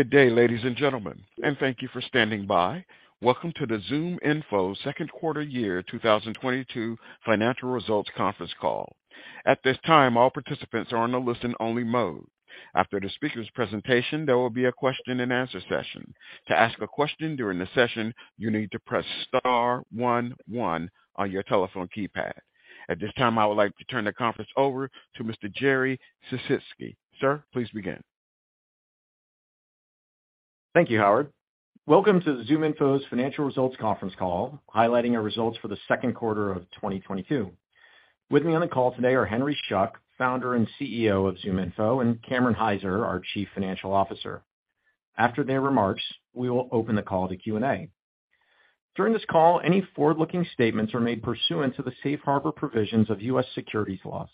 Good day, ladies and gentlemen, and thank you for standing by. Welcome to the ZoomInfo second quarter 2022 financial results conference call. At this time, all participants are in a listen-only mode. After the speaker's presentation, there will be a question and answer session. To ask a question during the session, you need to press star one one on your telephone keypad. At this time, I would like to turn the conference over to Mr. Jerry Sisitsky. Sir, please begin. Thank you, Howard. Welcome to the ZoomInfo's Financial Results conference call, highlighting our results for the second quarter of 2022. With me on the call today are Henry Schuck, Founder and CEO of ZoomInfo, and Cameron Hyzer, our Chief Financial Officer. After their remarks, we will open the call to Q&A. During this call, any forward-looking statements are made pursuant to the safe harbor provisions of U.S. securities laws.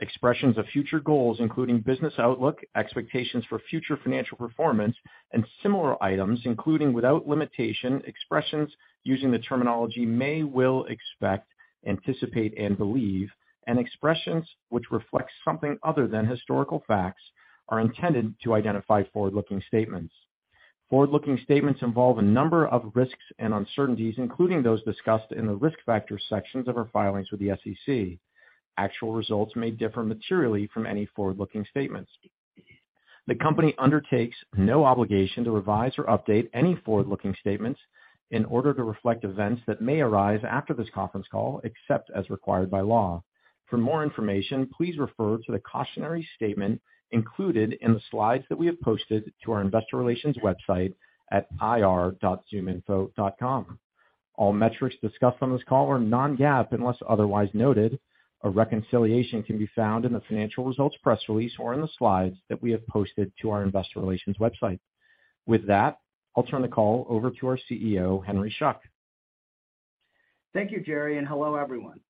Expressions of future goals, including business outlook, expectations for future financial performance, and similar items, including, without limitation, expressions using the terminology may, will, expect, anticipate and believe, and expressions which reflects something other than historical facts, are intended to identify forward-looking statements. Forward-looking statements involve a number of risks and uncertainties, including those discussed in the Risk Factors sections of our filings with the SEC. Actual results may differ materially from any forward-looking statements. The company undertakes no obligation to revise or update any forward-looking statements in order to reflect events that may arise after this conference call, except as required by law. For more information, please refer to the cautionary statement included in the slides that we have posted to our investor relations website at ir.ZoomInfo.com. All metrics discussed on this call are non-GAAP unless otherwise noted. A reconciliation can be found in the financial results press release or in the slides that we have posted to our investor relations website. With that, I'll turn the call over to our CEO, Henry Schuck. Thank you, Jerry, and hello everyone.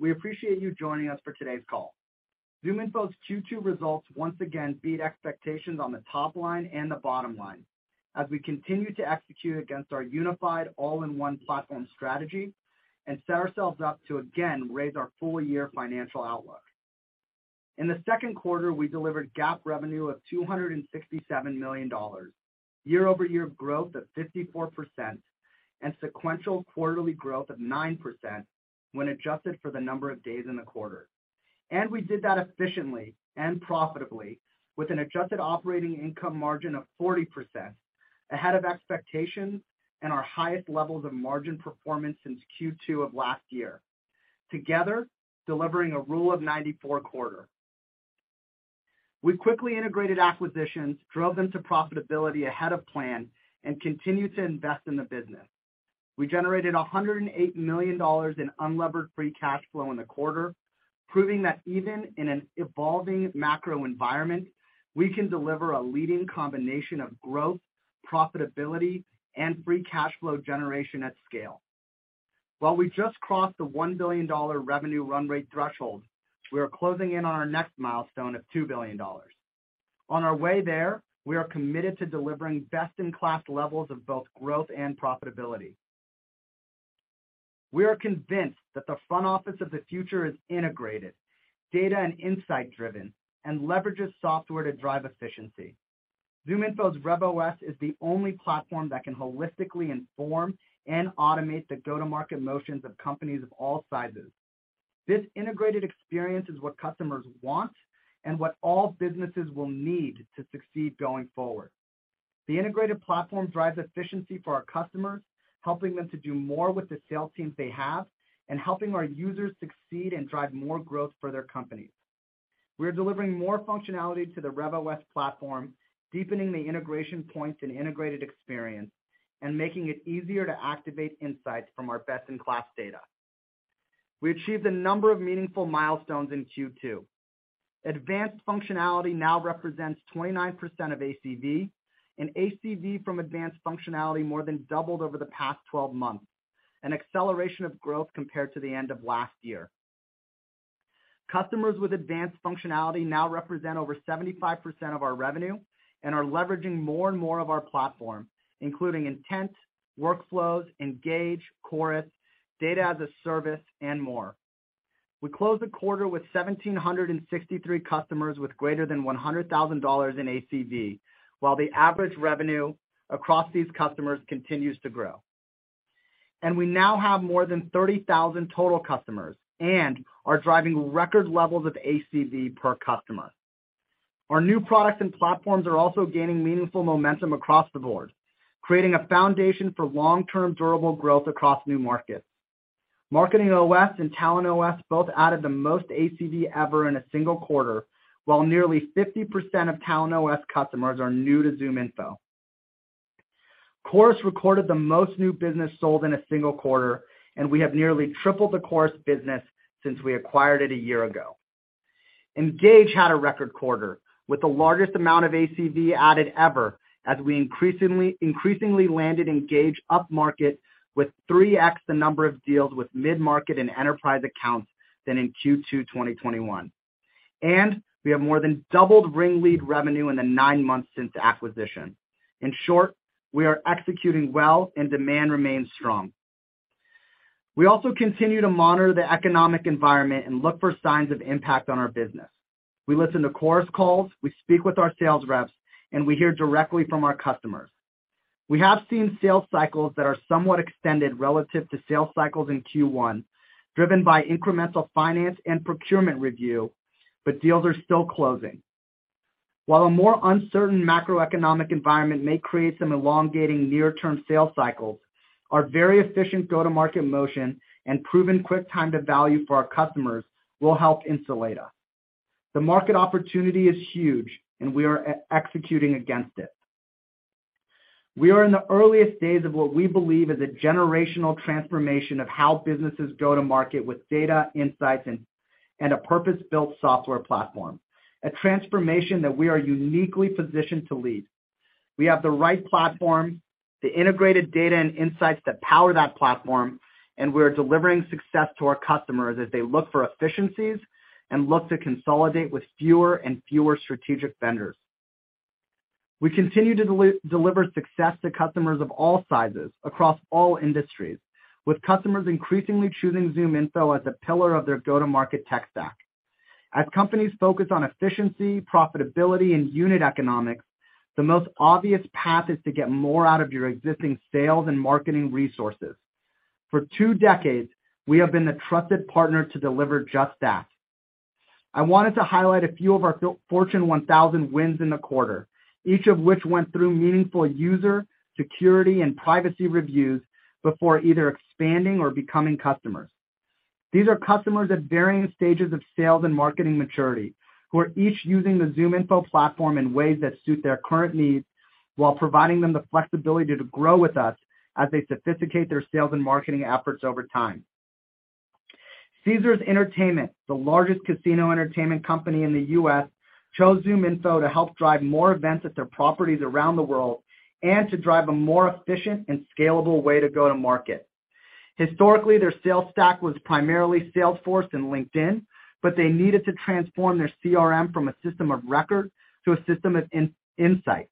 We appreciate you joining us for today's call. ZoomInfo's Q2 results once again beat expectations on the top line and the bottom line as we continue to execute against our unified all-in-one platform strategy and set ourselves up to again raise our full year financial outlook. In the second quarter, we delivered GAAP revenue of $267 million, year-over-year growth of 54% and sequential quarterly growth of 9% when adjusted for the number of days in the quarter. We did that efficiently and profitably with an adjusted operating income margin of 40% ahead of expectations and our highest levels of margin performance since Q2 of last year. Together, delivering a Rule of 94 quarter. We quickly integrated acquisitions, drove them to profitability ahead of plan, and continued to invest in the business. We generated $108 million in unlevered free cash flow in the quarter, proving that even in an evolving macro environment, we can deliver a leading combination of growth, profitability, and free cash flow generation at scale. While we just crossed the $1 billion revenue run rate threshold, we are closing in on our next milestone of $2 billion. On our way there, we are committed to delivering best in class levels of both growth and profitability. We are convinced that the front office of the future is integrated, data and insight driven, and leverages software to drive efficiency. ZoomInfo's RevOS is the only platform that can holistically inform and automate the go-to-market motions of companies of all sizes. This integrated experience is what customers want and what all businesses will need to succeed going forward. The integrated platform drives efficiency for our customers, helping them to do more with the sales teams they have, and helping our users succeed and drive more growth for their companies. We are delivering more functionality to the RevOS platform, deepening the integration points and integrated experience, and making it easier to activate insights from our best in class data. We achieved a number of meaningful milestones in Q2. Advanced functionality now represents 29% of ACV, and ACV from advanced functionality more than doubled over the past 12 months, an acceleration of growth compared to the end of last year. Customers with advanced functionality now represent over 75% of our revenue and are leveraging more and more of our platform, including Intent, Workflows, Engage, Chorus, Data as a Service, and more. We closed the quarter with 1,763 customers with greater than $100,000 in ACV, while the average revenue across these customers continues to grow. We now have more than 30,000 total customers and are driving record levels of ACV per customer. Our new products and platforms are also gaining meaningful momentum across the board, creating a foundation for long-term durable growth across new markets. MarketingOS and TalentOS both added the most ACV ever in a single quarter, while nearly 50% of TalentOS customers are new to ZoomInfo. Chorus recorded the most new business sold in a single quarter, and we have nearly tripled the Chorus business since we acquired it a year ago. Engage had a record quarter with the largest amount of ACV added ever as we increasingly landed Engage upmarket with 3x the number of deals with mid-market and enterprise accounts than in Q2 2021. We have more than doubled RingLead revenue in the nine months since acquisition. In short, we are executing well and demand remains strong. We also continue to monitor the economic environment and look for signs of impact on our business. We listen to Chorus calls, we speak with our sales reps, and we hear directly from our customers. We have seen sales cycles that are somewhat extended relative to sales cycles in Q1, driven by incremental finance and procurement review, but deals are still closing. While a more uncertain macroeconomic environment may create some elongating near-term sales cycles, our very efficient go-to-market motion and proven quick time to value for our customers will help insulate us. The market opportunity is huge, and we are executing against it. We are in the earliest days of what we believe is a generational transformation of how businesses go to market with data insights and a purpose-built software platform, a transformation that we are uniquely positioned to lead. We have the right platform, the integrated data and insights that power that platform, and we are delivering success to our customers as they look for efficiencies and look to consolidate with fewer and fewer strategic vendors. We continue to deliver success to customers of all sizes across all industries, with customers increasingly choosing ZoomInfo as a pillar of their go-to-market tech stack. As companies focus on efficiency, profitability, and unit economics, the most obvious path is to get more out of your existing sales and marketing resources. For two decades, we have been the trusted partner to deliver just that. I wanted to highlight a few of our Fortune 1000 wins in the quarter, each of which went through meaningful user, security, and privacy reviews before either expanding or becoming customers. These are customers at varying stages of sales and marketing maturity, who are each using the ZoomInfo platform in ways that suit their current needs while providing them the flexibility to grow with us as they sophisticate their sales and marketing efforts over time. Caesars Entertainment, the largest casino entertainment company in the U.S., chose ZoomInfo to help drive more events at their properties around the world and to drive a more efficient and scalable way to go to market. Historically, their sales stack was primarily Salesforce and LinkedIn, but they needed to transform their CRM from a system of record to a system of insight.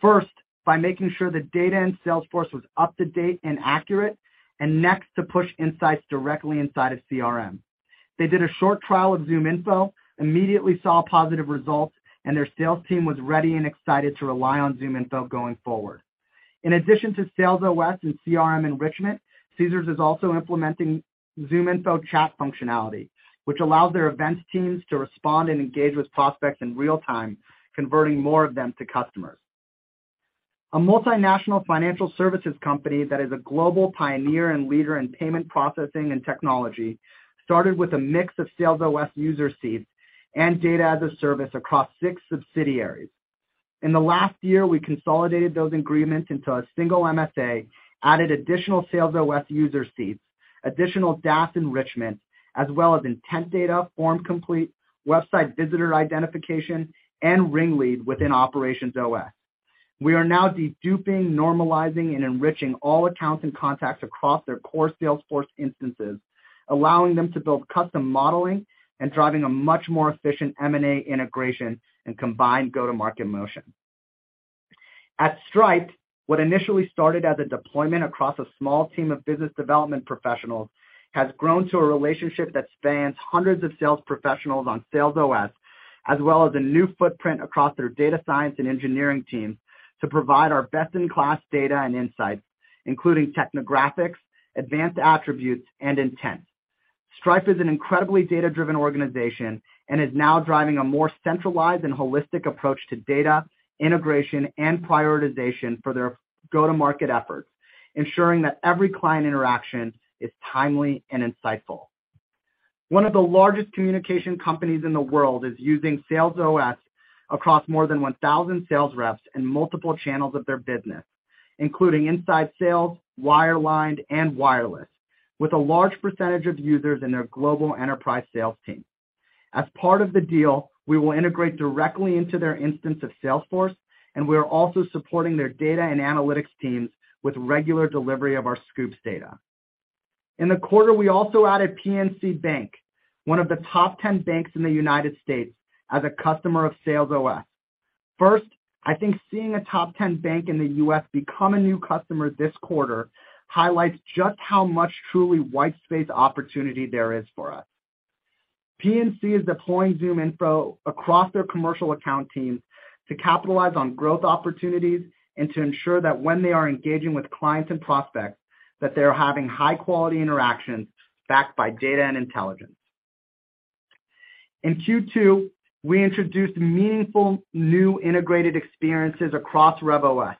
First, by making sure the data in Salesforce was up-to-date and accurate, and next, to push insights directly inside of CRM. They did a short trial with ZoomInfo, immediately saw positive results, and their sales team was ready and excited to rely on ZoomInfo going forward. In addition to SalesOS and CRM enrichment, Caesars is also implementing ZoomInfo chat functionality, which allows their events teams to respond and engage with prospects in real time, converting more of them to customers. A multinational financial services company that is a global pioneer and leader in payment processing and technology started with a mix of SalesOS user seats and Data as a Service across six subsidiaries. In the last year, we consolidated those agreements into a single MSA, added additional SalesOS user seats, additional DaaS enrichment, as well as Intent data, FormComplete, website visitor identification, and RingLead within OperationsOS. We are now deduping, normalizing, and enriching all accounts and contacts across their core Salesforce instances, allowing them to build custom modeling and driving a much more efficient M&A integration and combined go-to-market motion. At Stripe, what initially started as a deployment across a small team of business development professionals has grown to a relationship that spans hundreds of sales professionals on SalesOS, as well as a new footprint across their data science and engineering teams to provide our best-in-class data and insights, including technographics, advanced attributes, and Intent. Stripe is an incredibly data-driven organization and is now driving a more centralized and holistic approach to data integration and prioritization for their go-to-market efforts, ensuring that every client interaction is timely and insightful. One of the largest communication companies in the world is using SalesOS across more than 1,000 sales reps in multiple channels of their business, including inside sales, wireline, and wireless, with a large percentage of users in their global enterprise sales team. As part of the deal, we will integrate directly into their instance of Salesforce, and we are also supporting their data and analytics teams with regular delivery of our Scoops data. In the quarter, we also added PNC Bank, one of the top ten banks in the United States, as a customer of SalesOS. First, I think seeing a top ten bank in the U.S. become a new customer this quarter highlights just how much truly white space opportunity there is for us. PNC is deploying ZoomInfo across their commercial account teams to capitalize on growth opportunities and to ensure that when they are engaging with clients and prospects, that they're having high-quality interactions backed by data and intelligence. In Q2, we introduced meaningful new integrated experiences across RevOS.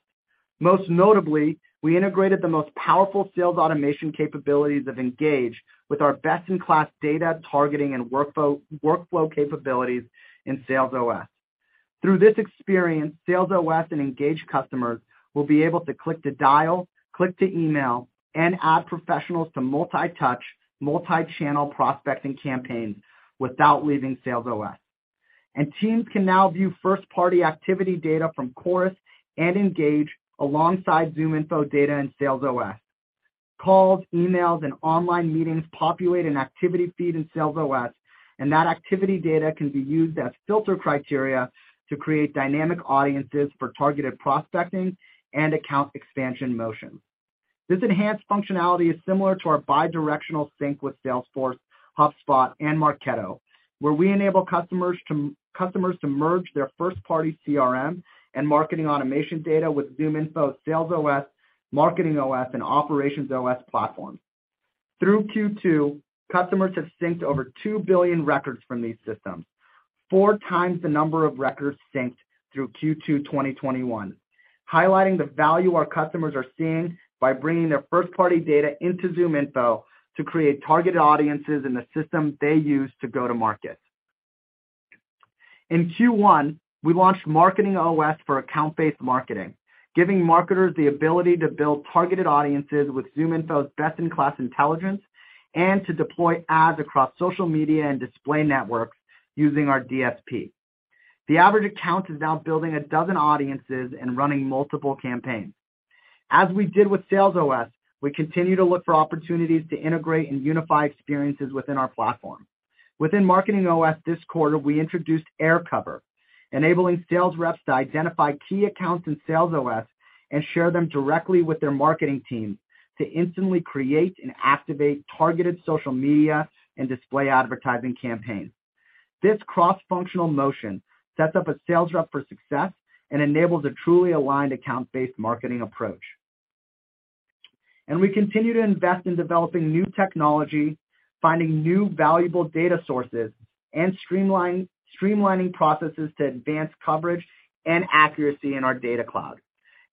Most notably, we integrated the most powerful sales automation capabilities of Engage with our best-in-class data targeting and workflow capabilities in SalesOS. Through this experience, SalesOS and Engage customers will be able to click to dial, click to email, and add professionals to multi-touch, multi-channel prospecting campaigns without leaving SalesOS. Teams can now view first-party activity data from Chorus and Engage alongside ZoomInfo data in SalesOS. Calls, emails, and online meetings populate an activity feed in SalesOS, and that activity data can be used as filter criteria to create dynamic audiences for targeted prospecting and account expansion motion. This enhanced functionality is similar to our bi-directional sync with Salesforce, HubSpot, and Marketo, where we enable customers to merge their first-party CRM and marketing automation data with ZoomInfo's SalesOS, MarketingOS, and OperationsOS platforms. Through Q2, customers have synced over two billion records from these systems, four times the number of records synced through Q2 2021, highlighting the value our customers are seeing by bringing their first-party data into ZoomInfo to create targeted audiences in the system they use to go to market. In Q1, we launched MarketingOS for account-based marketing, giving marketers the ability to build targeted audiences with ZoomInfo's best-in-class intelligence and to deploy ads across social media and display networks using our DSP. The average account is now building a dozen audiences and running multiple campaigns. As we did with SalesOS, we continue to look for opportunities to integrate and unify experiences within our platform. Within MarketingOS this quarter, we introduced Aircover, enabling sales reps to identify key accounts in SalesOS and share them directly with their marketing teams to instantly create and activate targeted social media and display advertising campaigns. This cross-functional motion sets up a sales rep for success and enables a truly aligned account-based marketing approach. We continue to invest in developing new technology, finding new valuable data sources, and streamlining processes to advance coverage and accuracy in our data cloud.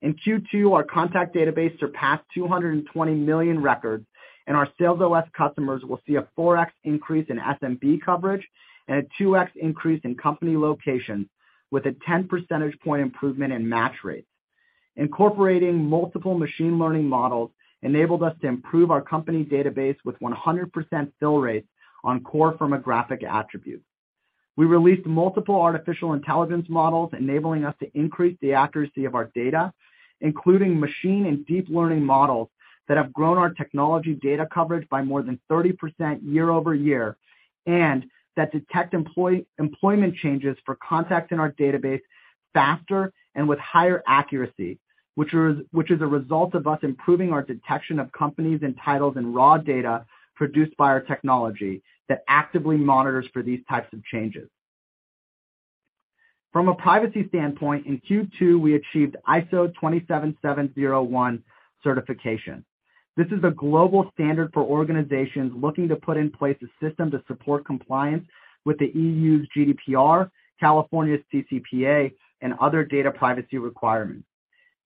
In Q2, our contact database surpassed 220 million records, and our SalesOS customers will see a 4x increase in SMB coverage and a 2x increase in company locations with a 10 percentage point improvement in match rates. Incorporating multiple machine learning models enabled us to improve our company database with 100% fill rates on core firmographic attributes. We released multiple artificial intelligence models, enabling us to increase the accuracy of our data, including machine and deep learning models that have grown our technology data coverage by more than 30% year-over-year, and that detect employment changes for contacts in our database faster and with higher accuracy, which is a result of us improving our detection of companies and titles and raw data produced by our technology that actively monitors for these types of changes. From a privacy standpoint, in Q2, we achieved ISO/IEC 27701 certification. This is a global standard for organizations looking to put in place a system to support compliance with the EU's GDPR, California's CCPA, and other data privacy requirements.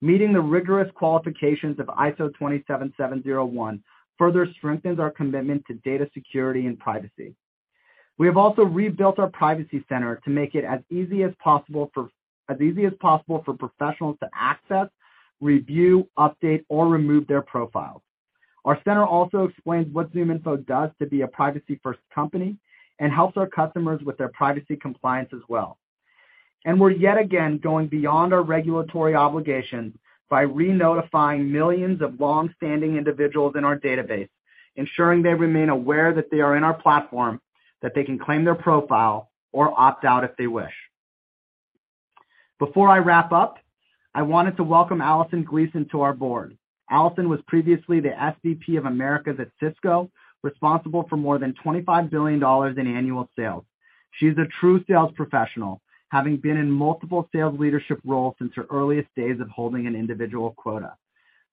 Meeting the rigorous qualifications of ISO/IEC 27701 further strengthens our commitment to data security and privacy. We have also rebuilt our privacy center to make it as easy as possible for professionals to access, review, update, or remove their profiles. Our center also explains what ZoomInfo does to be a privacy-first company and helps our customers with their privacy compliance as well. We're yet again going beyond our regulatory obligations by re-notifying millions of long-standing individuals in our database, ensuring they remain aware that they are in our platform, that they can claim their profile or opt out if they wish. Before I wrap up, I wanted to welcome Alison Gleeson to our board. Alison was previously the SVP of Americas at Cisco, responsible for more than $25 billion in annual sales. She's a true sales professional, having been in multiple sales leadership roles since her earliest days of holding an individual quota.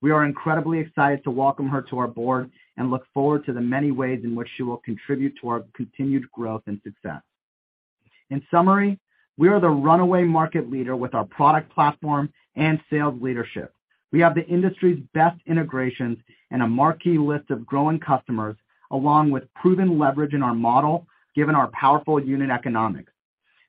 We are incredibly excited to welcome her to our board and look forward to the many ways in which she will contribute to our continued growth and success. In summary, we are the runaway market leader with our product platform and sales leadership. We have the industry's best integrations and a marquee list of growing customers, along with proven leverage in our model given our powerful unit economics.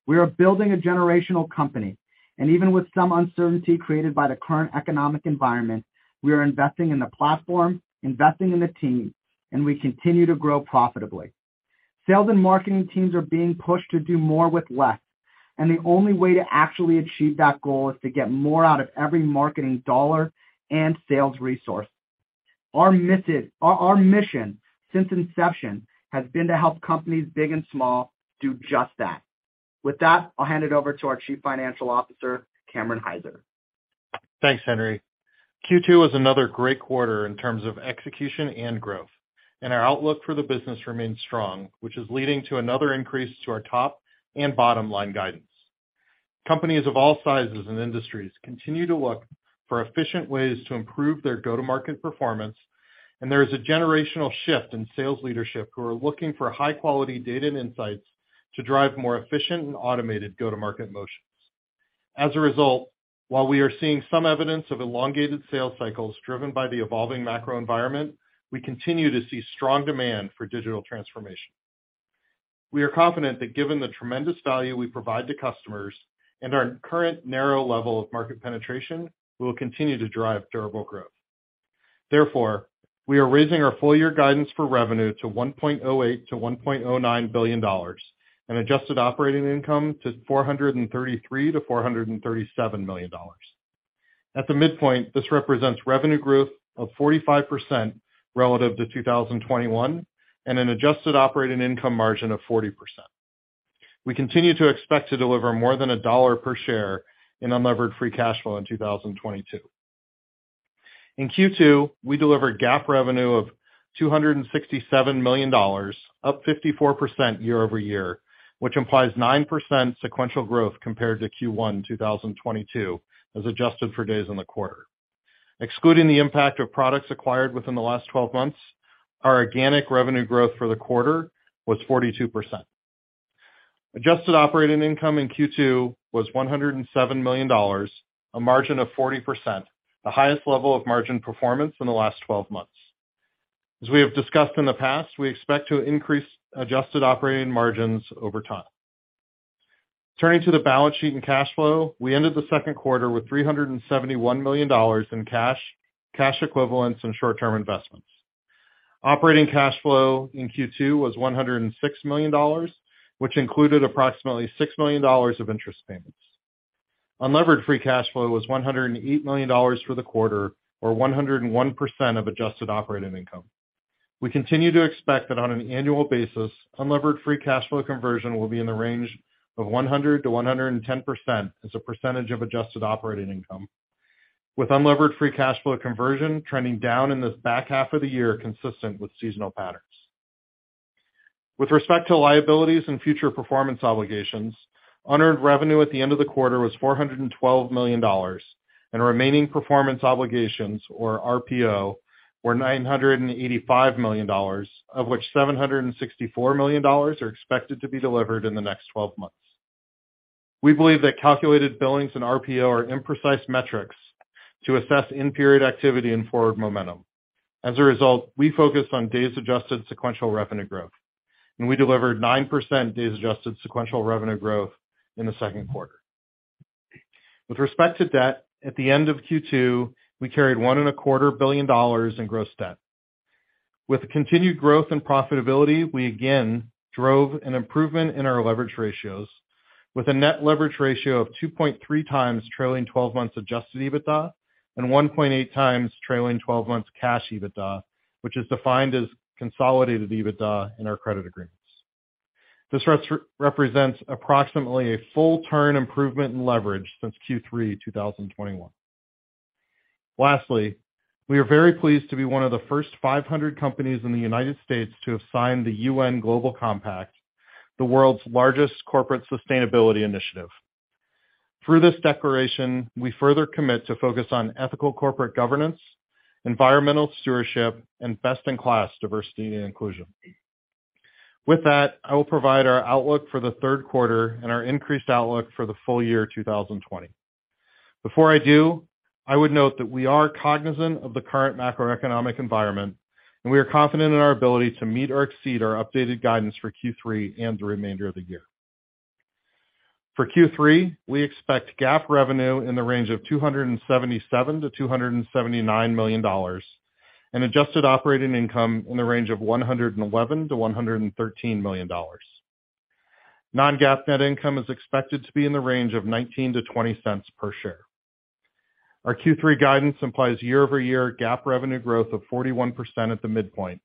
We are building a generational company, and even with some uncertainty created by the current economic environment, we are investing in the platform, investing in the team, and we continue to grow profitably. Sales and marketing teams are being pushed to do more with less, and the only way to actually achieve that goal is to get more out of every marketing dollar and sales resource. Our mission since inception has been to help companies big and small do just that. With that, I'll hand it over to our Chief Financial Officer, Cameron Hyzer. Thanks, Henry. Q2 was another great quarter in terms of execution and growth, and our outlook for the business remains strong, which is leading to another increase to our top and bottom-line guidance. Companies of all sizes and industries continue to look for efficient ways to improve their go-to-market performance, and there is a generational shift in sales leadership who are looking for high-quality data and insights to drive more efficient and automated go-to-market motions. As a result, while we are seeing some evidence of elongated sales cycles driven by the evolving macro environment, we continue to see strong demand for digital transformation. We are confident that given the tremendous value we provide to customers and our current narrow level of market penetration, we will continue to drive durable growth. Therefore, we are raising our full year guidance for revenue to $1.08 billion-$1.09 billion and adjusted operating income to $433 million-$437 million. At the midpoint, this represents revenue growth of 45% relative to 2021 and an adjusted operating income margin of 40%. We continue to expect to deliver more than $1 per share in unlevered free cash flow in 2022. In Q2, we delivered GAAP revenue of $267 million, up 54% year-over-year, which implies 9% sequential growth compared to Q1 2022 as adjusted for days in the quarter. Excluding the impact of products acquired within the last 12 months, our organic revenue growth for the quarter was 42%. Adjusted operating income in Q2 was $107 million, a margin of 40%, the highest level of margin performance in the last 12 months. As we have discussed in the past, we expect to increase adjusted operating margins over time. Turning to the balance sheet and cash flow, we ended the second quarter with $371 million in cash equivalents, and short-term investments. Operating cash flow in Q2 was $106 million, which included approximately $6 million of interest payments. Unlevered free cash flow was $108 million for the quarter or 101% of adjusted operating income. We continue to expect that on an annual basis, unlevered free cash flow conversion will be in the range of 100%-110% as a percentage of adjusted operating income, with unlevered free cash flow conversion trending down in this back half of the year, consistent with seasonal patterns. With respect to liabilities and future performance obligations, unearned revenue at the end of the quarter was $412 million, and remaining performance obligations, or RPO, were $985 million, of which $764 million are expected to be delivered in the next 12 months. We believe that calculated billings and RPO are imprecise metrics to assess in-period activity and forward momentum. As a result, we focused on days adjusted sequential revenue growth, and we delivered 9% days adjusted sequential revenue growth in the second quarter. With respect to debt, at the end of Q2, we carried $1 and a quarter billion in gross debt. With continued growth and profitability, we again drove an improvement in our leverage ratios with a net leverage ratio of 2.3x trailing 12 months adjusted EBITDA and 1.8x trailing 12 months cash EBITDA, which is defined as consolidated EBITDA in our credit agreements. This represents approximately a full turn improvement in leverage since Q3 2021. Lastly, we are very pleased to be one of the first 500 companies in the United States to have signed the UN Global Compact, the world's largest corporate sustainability initiative. Through this declaration, we further commit to focus on ethical corporate governance, environmental stewardship, and best-in-class diversity and inclusion. With that, I will provide our outlook for the third quarter and our increased outlook for the full year 2020. Before I do, I would note that we are cognizant of the current macroeconomic environment, and we are confident in our ability to meet or exceed our updated guidance for Q3 and the remainder of the year. For Q3, we expect GAAP revenue in the range of $277 million-$279 million and adjusted operating income in the range of $111 million-$113 million. Non-GAAP net income is expected to be in the range of $0.19-$0.20 per share. Our Q3 guidance implies year-over-year GAAP revenue growth of 41% at the midpoint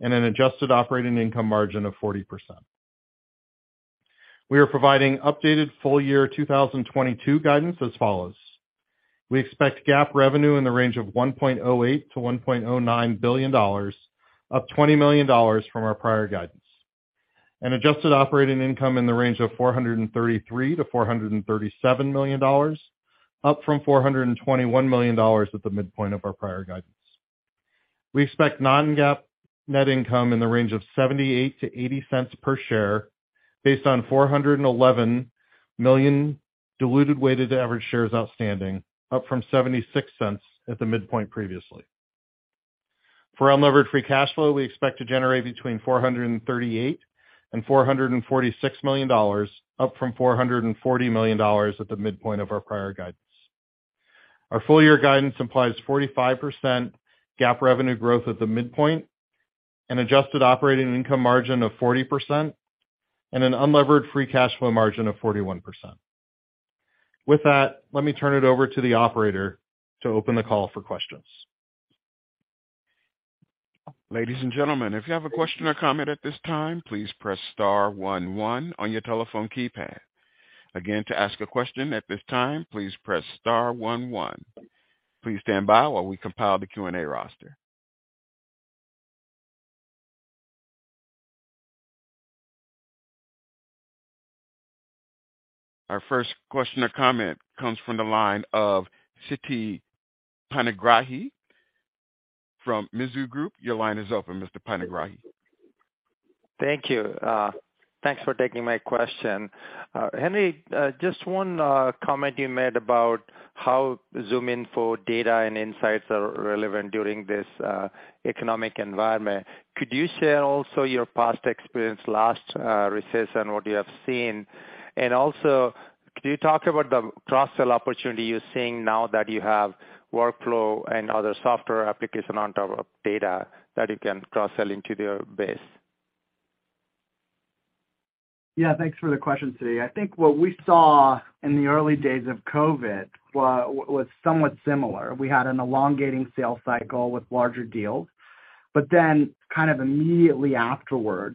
and an adjusted operating income margin of 40%. We are providing updated full year 2022 guidance as follows. We expect GAAP revenue in the range of $1.08 billion-$1.09 billion, up $20 million from our prior guidance, and adjusted operating income in the range of $433 million-$437 million, up from $421 million at the midpoint of our prior guidance. We expect non-GAAP net income in the range of $0.78-$0.80 per share based on 411 million diluted weighted average shares outstanding, up from $0.76 at the midpoint previously. For unlevered free cash flow, we expect to generate between $438 million and $446 million, up from $440 million at the midpoint of our prior guidance. Our full year guidance implies 45% GAAP revenue growth at the midpoint, an adjusted operating income margin of 40%, and an unlevered free cash flow margin of 41%. With that, let me turn it over to the operator to open the call for questions. Ladies and gentlemen, if you have a question or comment at this time, please press star one one on your telephone keypad. Again, to ask a question at this time, please press star one one. Please stand by while we compile the Q&A roster. Our first question or comment comes from the line of Siti Panigrahi from Mizuho Group. Your line is open, Mr. Panigrahi. Thank you. Thanks for taking my question. Henry, just one comment you made about how ZoomInfo data and insights are relevant during this economic environment. Could you share also your past experience, last recession, what you have seen? Could you talk about the cross-sell opportunity you're seeing now that you have Workflows and other software application on top of data that you can cross-sell into their base? Thanks for the question, Siti. I think what we saw in the early days of COVID was somewhat similar. We had an elongating sales cycle with larger deals. But then, kind of immediately afterward,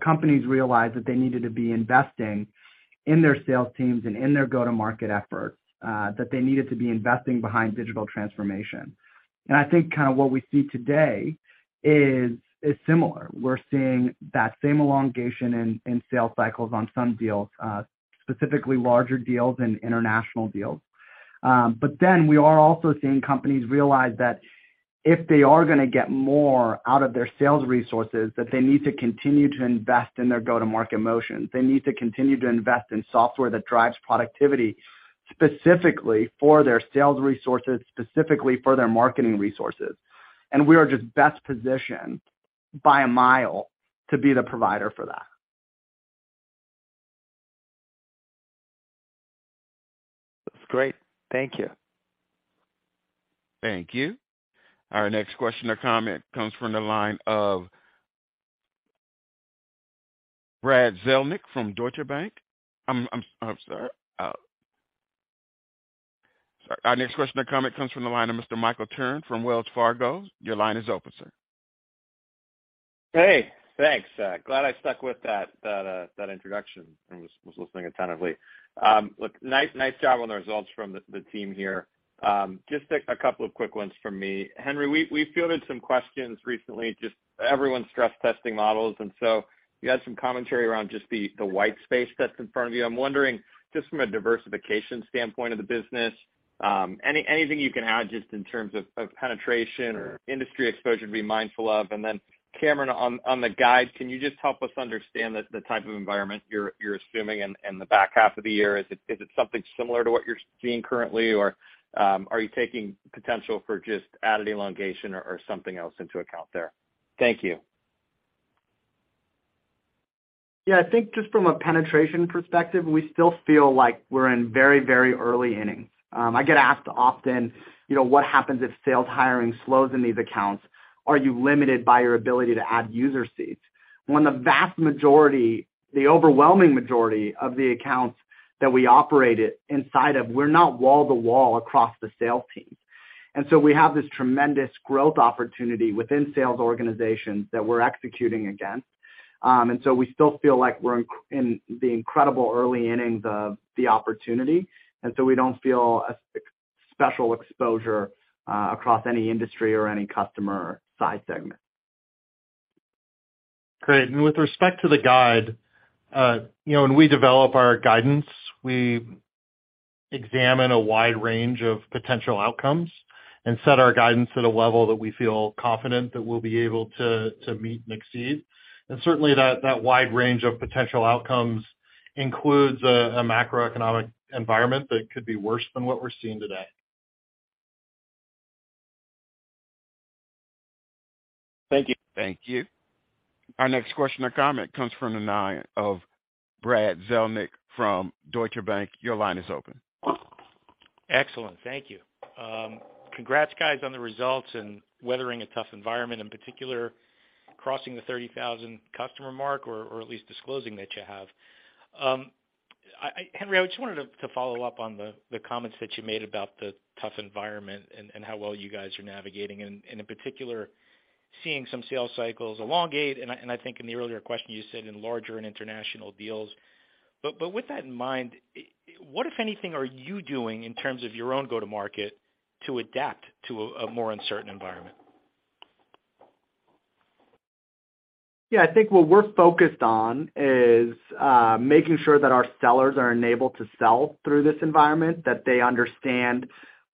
companies realized that they needed to be investing in their sales teams and in their go-to-market efforts, that they needed to be investing behind digital transformation. I think kind of what we see today is similar. We're seeing that same elongation in sales cycles on some deals, specifically larger deals and international deals. we are also seeing companies realize that if they are gonna get more out of their sales resources, that they need to continue to invest in their go-to-market motion. They need to continue to invest in software that drives productivity specifically for their sales resources, specifically for their marketing resources. we are just best positioned by a mile to be the provider for that. That's great. Thank you. Thank you. Our next question or comment comes from the line of Mr. Michael Turrin from Wells Fargo. Your line is open, sir. Hey, thanks. Glad I stuck with that introduction and was listening attentively. Look, nice job on the results from the team here. Just a couple of quick ones from me. Henry, we fielded some questions recently, just everyone's stress testing models, and so you had some commentary around just the white space that's in front of you. I'm wondering, just from a diversification standpoint of the business, anything you can add just in terms of penetration or industry exposure to be mindful of? Cameron, on the guide, can you just help us understand the type of environment you're assuming in the back half of the year? Is it something similar to what you're seeing currently, or are you taking potential for just added elongation or something else into account there? Thank you. Yeah. I think just from a penetration perspective, we still feel like we're in very, very early innings. I get asked often, you know, what happens if sales hiring slows in these accounts? Are you limited by your ability to add user seats? When the vast majority, the overwhelming majority of the accounts that we operate it inside of, we're not wall to wall across the sales teams. We have this tremendous growth opportunity within sales organizations that we're executing against. We still feel like we're in the incredible early innings of the opportunity. We don't feel a special exposure across any industry or any customer size segment. Great. With respect to the guide, you know, when we develop our guidance, we examine a wide range of potential outcomes and set our guidance at a level that we feel confident that we'll be able to meet and exceed. Certainly that wide range of potential outcomes includes a macroeconomic environment that could be worse than what we're seeing today. Thank you. Thank you. Our next question or comment comes from the line of Brad Zelnick from Deutsche Bank. Your line is open. Excellent. Thank you. Congrats guys on the results and weathering a tough environment, in particular crossing the 30,000 customer mark or at least disclosing that you have. Henry, I just wanted to follow up on the comments that you made about the tough environment and how well you guys are navigating and in particular seeing some sales cycles elongate. I think in the earlier question you said in larger and international deals. With that in mind, what, if anything, are you doing in terms of your own go-to-market to adapt to a more uncertain environment? Yeah. I think what we're focused on is making sure that our sellers are enabled to sell through this environment, that they understand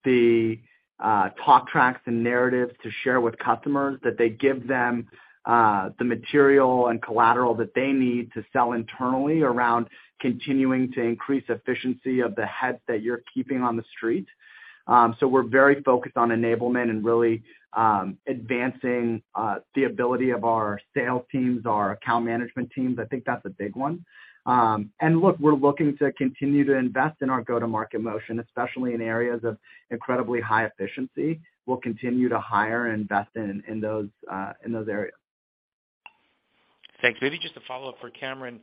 the talk tracks and narratives to share with customers, that they give them the material and collateral that they need to sell internally around continuing to increase efficiency of the head that you're keeping on the street. We're very focused on enablement and really advancing the ability of our sales teams, our account management teams. I think that's a big one. Look, we're looking to continue to invest in our go-to-market motion, especially in areas of incredibly high efficiency. We'll continue to hire and invest in those areas. Thanks. Maybe just a follow-up for Cameron.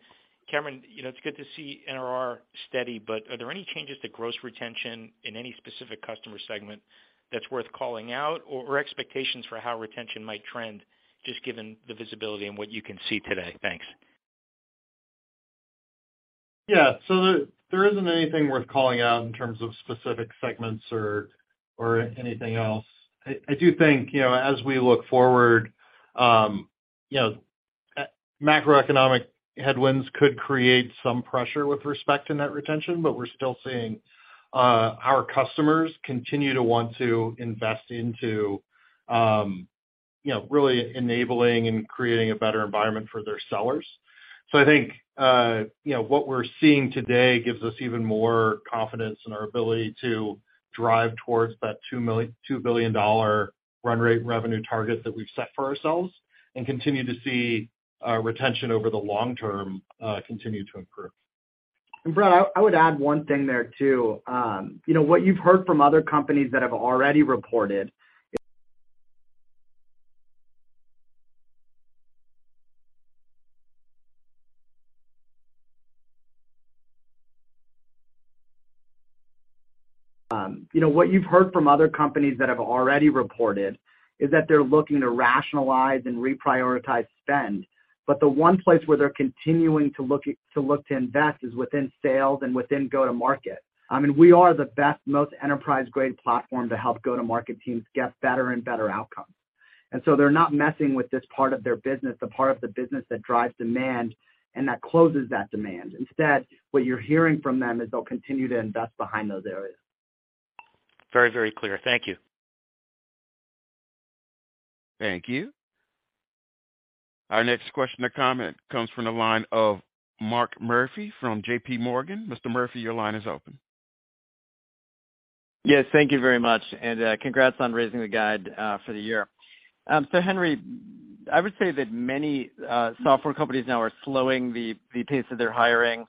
Cameron, you know, it's good to see NRR steady, but are there any changes to gross retention in any specific customer segment that's worth calling out or expectations for how retention might trend just given the visibility and what you can see today? Thanks. Yeah. There isn't anything worth calling out in terms of specific segments or anything else. I do think, you know, as we look forward, you know, macroeconomic headwinds could create some pressure with respect to net retention, but we're still seeing our customers continue to want to invest into, you know, really enabling and creating a better environment for their sellers. I think, you know, what we're seeing today gives us even more confidence in our ability to drive towards that $2 billion run rate revenue target that we've set for ourselves and continue to see our retention over the long term continue to improve. Brad, I would add one thing there too. You know, what you've heard from other companies that have already reported is that they're looking to rationalize and reprioritize spend. The one place where they're continuing to look to invest is within sales and within go-to market. I mean, we are the best, most enterprise-grade platform to help go-to-market teams get better and better outcomes. They're not messing with this part of their business, the part of the business that drives demand and that closes that demand. Instead, what you're hearing from them is they'll continue to invest behind those areas. Very, very clear. Thank you. Thank you. Our next question or comment comes from the line of Mark Murphy from JPMorgan. Mr. Murphy, your line is open. Yes, thank you very much, and congrats on raising the guide for the year. Henry, I would say that many software companies now are slowing the pace of their hiring.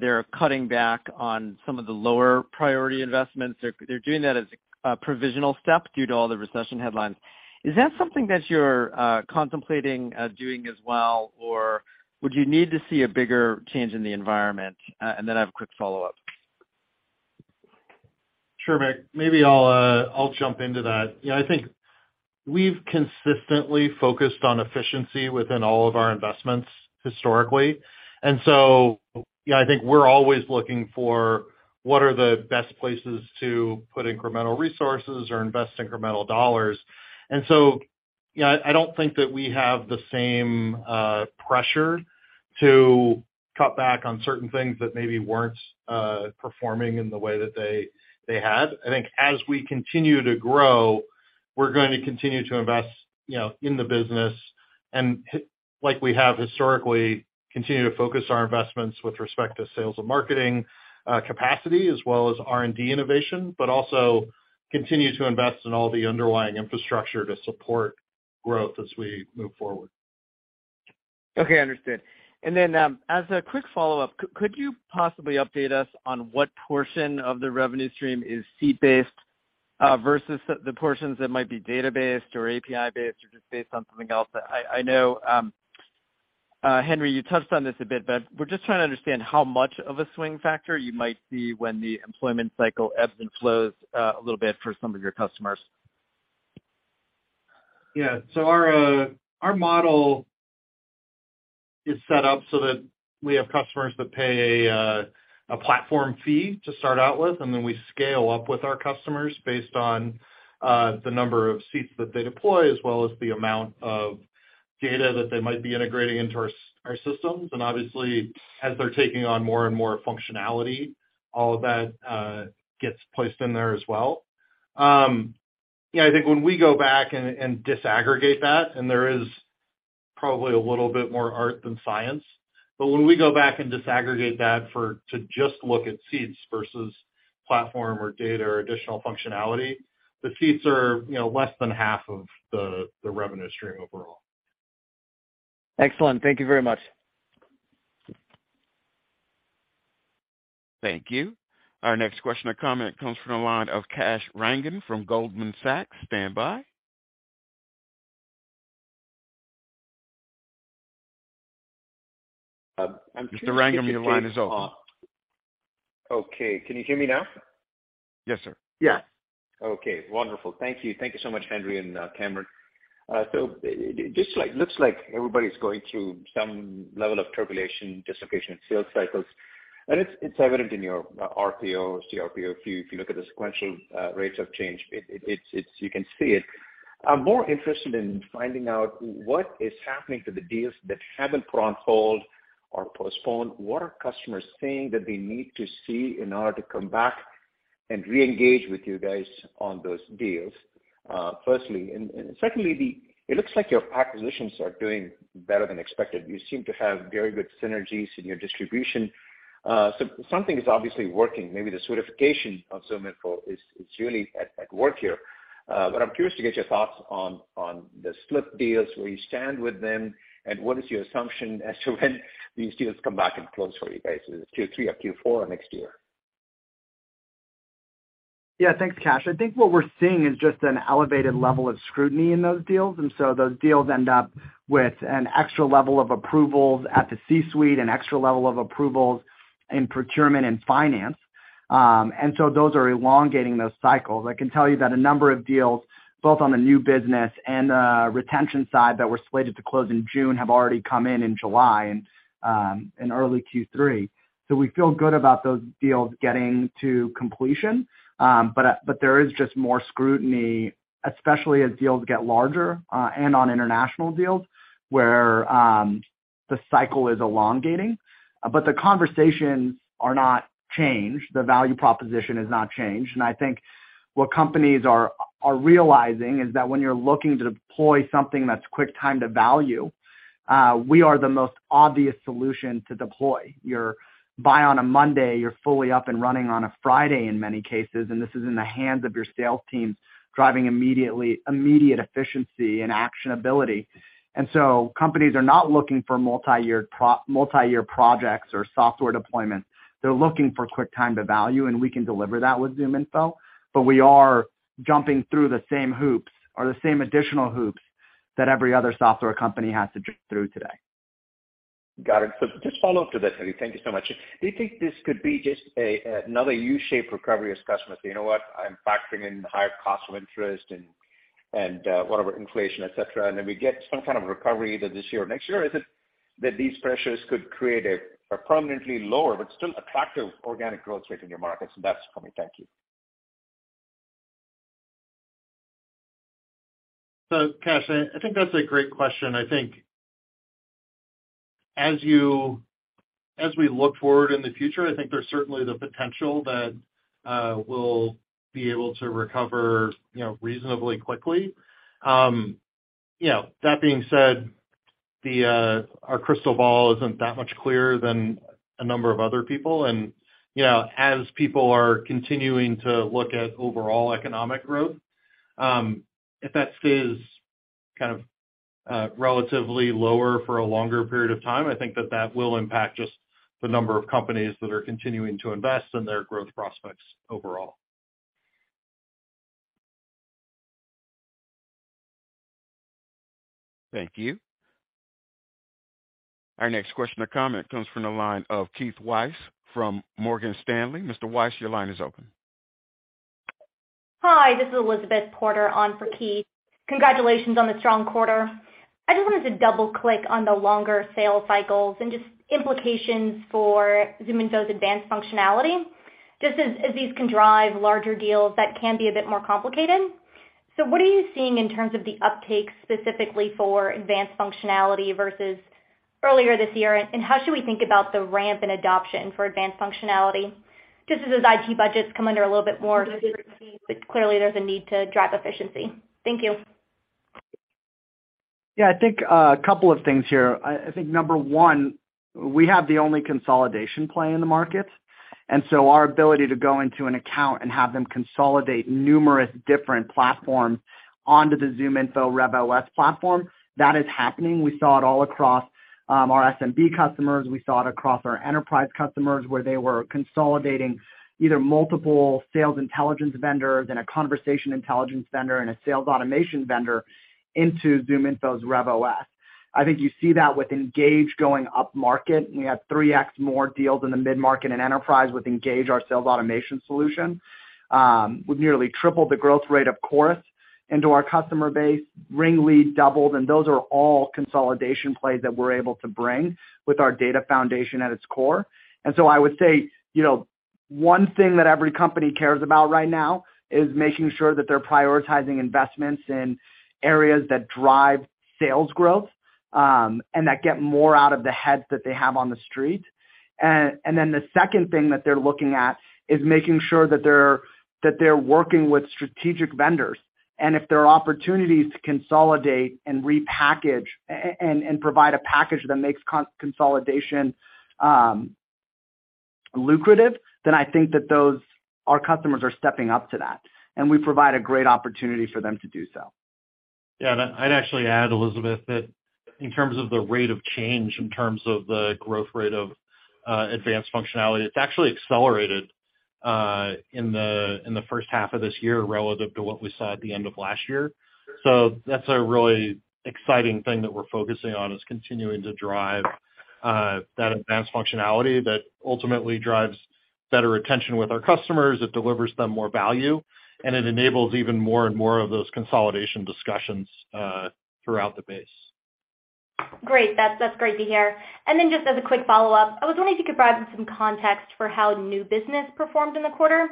They're cutting back on some of the lower priority investments. They're doing that as a provisional step due to all the recession headlines. Is that something that you're contemplating doing as well, or would you need to see a bigger change in the environment? I have a quick follow-up. Sure, Mark. Maybe I'll jump into that. Yeah, I think we've consistently focused on efficiency within all of our investments historically. You know, I think we're always looking for what are the best places to put incremental resources or invest incremental dollars. You know, I don't think that we have the same pressure to cut back on certain things that maybe weren't performing in the way that they had. I think as we continue to grow, we're going to continue to invest, you know, in the business, and like we have historically, continue to focus our investments with respect to sales and marketing capacity as well as R&D innovation, but also continue to invest in all the underlying infrastructure to support growth as we move forward. Okay, understood. Then, as a quick follow-up, could you possibly update us on what portion of the revenue stream is seat-based, versus the portions that might be data-based or API-based or just based on something else? I know, Henry, you touched on this a bit, but we're just trying to understand how much of a swing factor you might see when the employment cycle ebbs and flows, a little bit for some of your customers. Yeah. Our model is set up so that we have customers that pay a platform fee to start out with, and then we scale up with our customers based on the number of seats that they deploy, as well as the amount of data that they might be integrating into our systems. Obviously, as they're taking on more and more functionality, all of that gets placed in there as well. You know, I think when we go back and disaggregate that, there is probably a little bit more art than science. When we go back and disaggregate that in order to just look at seats versus platform or data or additional functionality, the seats are, you know, less than half of the revenue stream overall. Excellent. Thank you very much. Thank you. Our next question or comment comes from the line of Kash Rangan from Goldman Sachs. Standby. I'm curious. Mr. Rangan, your line is open. Okay. Can you hear me now? Yes, sir. Yeah. Okay, wonderful. Thank you. Thank you so much, Henry and Cameron. So it just looks like everybody's going through some level of tribulation, dislocation in sales cycles. It's evident in your RPO, CRPO. If you look at the sequential rates of change, you can see it. I'm more interested in finding out what is happening to the deals that haven't been put on hold or postponed. What are customers saying that they need to see in order to come back and reengage with you guys on those deals, firstly. Secondly, it looks like your acquisitions are doing better than expected. You seem to have very good synergies in your distribution. Something is obviously working. Maybe the certification of ZoomInfo is really at work here. I'm curious to get your thoughts on the slipped deals, where you stand with them, and what is your assumption as to when these deals come back and close for you guys, is it Q3 or Q4 or next year? Yeah. Thanks, Kash. I think what we're seeing is just an elevated level of scrutiny in those deals, and those deals end up with an extra level of approvals at the C-suite and extra level of approvals in procurement and finance. Those are elongating those cycles. I can tell you that a number of deals, both on the new business and retention side that were slated to close in June have already come in in July and early Q3. We feel good about those deals getting to completion. There is just more scrutiny, especially as deals get larger, and on international deals where the cycle is elongating. The conversations are not changed, the value proposition has not changed. I think what companies are realizing is that when you're looking to deploy something that's quick time to value, we are the most obvious solution to deploy. Buy on a Monday, you're fully up and running on a Friday in many cases, and this is in the hands of your sales team driving immediate efficiency and actionability. Companies are not looking for multi-year projects or software deployments. They're looking for quick time to value, and we can deliver that with ZoomInfo. We are jumping through the same hoops or the same additional hoops that every other software company has to jump through today. Got it. Just follow up to that, Henry. Thank you so much. Do you think this could be just another U-shaped recovery as customers say, "You know what? I'm factoring in the higher cost of interest and whatever inflation, et cetera," and then we get some kind of recovery either this year or next year? Is it that these pressures could create a permanently lower but still attractive organic growth rate in your markets? That's for me. Thank you. Kash, I think that's a great question. I think as we look forward in the future, I think there's certainly the potential that we'll be able to recover, you know, reasonably quickly. You know, that being said, our crystal ball isn't that much clearer than a number of other people. You know, as people are continuing to look at overall economic growth, if that stays kind of relatively lower for a longer period of time, I think that will impact just the number of companies that are continuing to invest in their growth prospects overall. Thank you. Our next question or comment comes from the line of Keith Weiss from Morgan Stanley. Mr. Weiss, your line is open. Hi, this is Elizabeth Porter on for Keith. Congratulations on the strong quarter. I just wanted to double-click on the longer sales cycles and just implications for ZoomInfo's advanced functionality, just as these can drive larger deals that can be a bit more complicated. What are you seeing in terms of the uptake specifically for advanced functionality versus earlier this year? How should we think about the ramp and adoption for advanced functionality just as IT budgets come under a little bit more? Mm-hmm. Clearly, there's a need to drive efficiency. Thank you. Yeah. I think a couple of things here. I think number one, we have the only consolidation play in the market, and so our ability to go into an account and have them consolidate numerous different platforms onto the ZoomInfo RevOS platform, that is happening. We saw it all across our SMB customers. We saw it across our enterprise customers, where they were consolidating either multiple sales intelligence vendors and a conversation intelligence vendor and a sales automation vendor into ZoomInfo's RevOS. I think you see that with Engage going upmarket. We have 3x more deals in the mid-market and enterprise with Engage, our sales automation solution. We've nearly tripled the growth rate, of course, into our customer base. RingLead doubled, and those are all consolidation plays that we're able to bring with our data foundation at its core. I would say, you know, one thing that every company cares about right now is making sure that they're prioritizing investments in areas that drive sales growth, and that get more out of the heads that they have on the street. Then the second thing that they're looking at is making sure that they're working with strategic vendors. If there are opportunities to consolidate and repackage and provide a package that makes consolidation lucrative, then I think that our customers are stepping up to that, and we provide a great opportunity for them to do so. Yeah. I'd actually add, Elizabeth, that in terms of the rate of change, in terms of the growth rate of advanced functionality, it's actually accelerated in the first half of this year relative to what we saw at the end of last year. That's a really exciting thing that we're focusing on is continuing to drive that advanced functionality that ultimately drives better retention with our customers. It delivers them more value, and it enables even more and more of those consolidation discussions throughout the base. Great. That's great to hear. Just as a quick follow-up, I was wondering if you could provide some context for how new business performed in the quarter.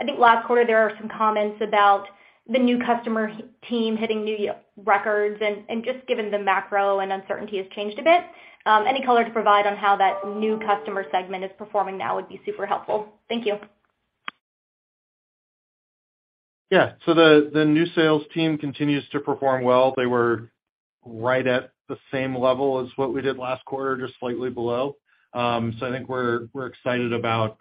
I think last quarter there are some comments about the new customer team hitting new records. Just given the macro and uncertainty has changed a bit, any color to provide on how that new customer segment is performing now would be super helpful. Thank you. Yeah. The new sales team continues to perform well. They were right at the same level as what we did last quarter, just slightly below. I think we're excited about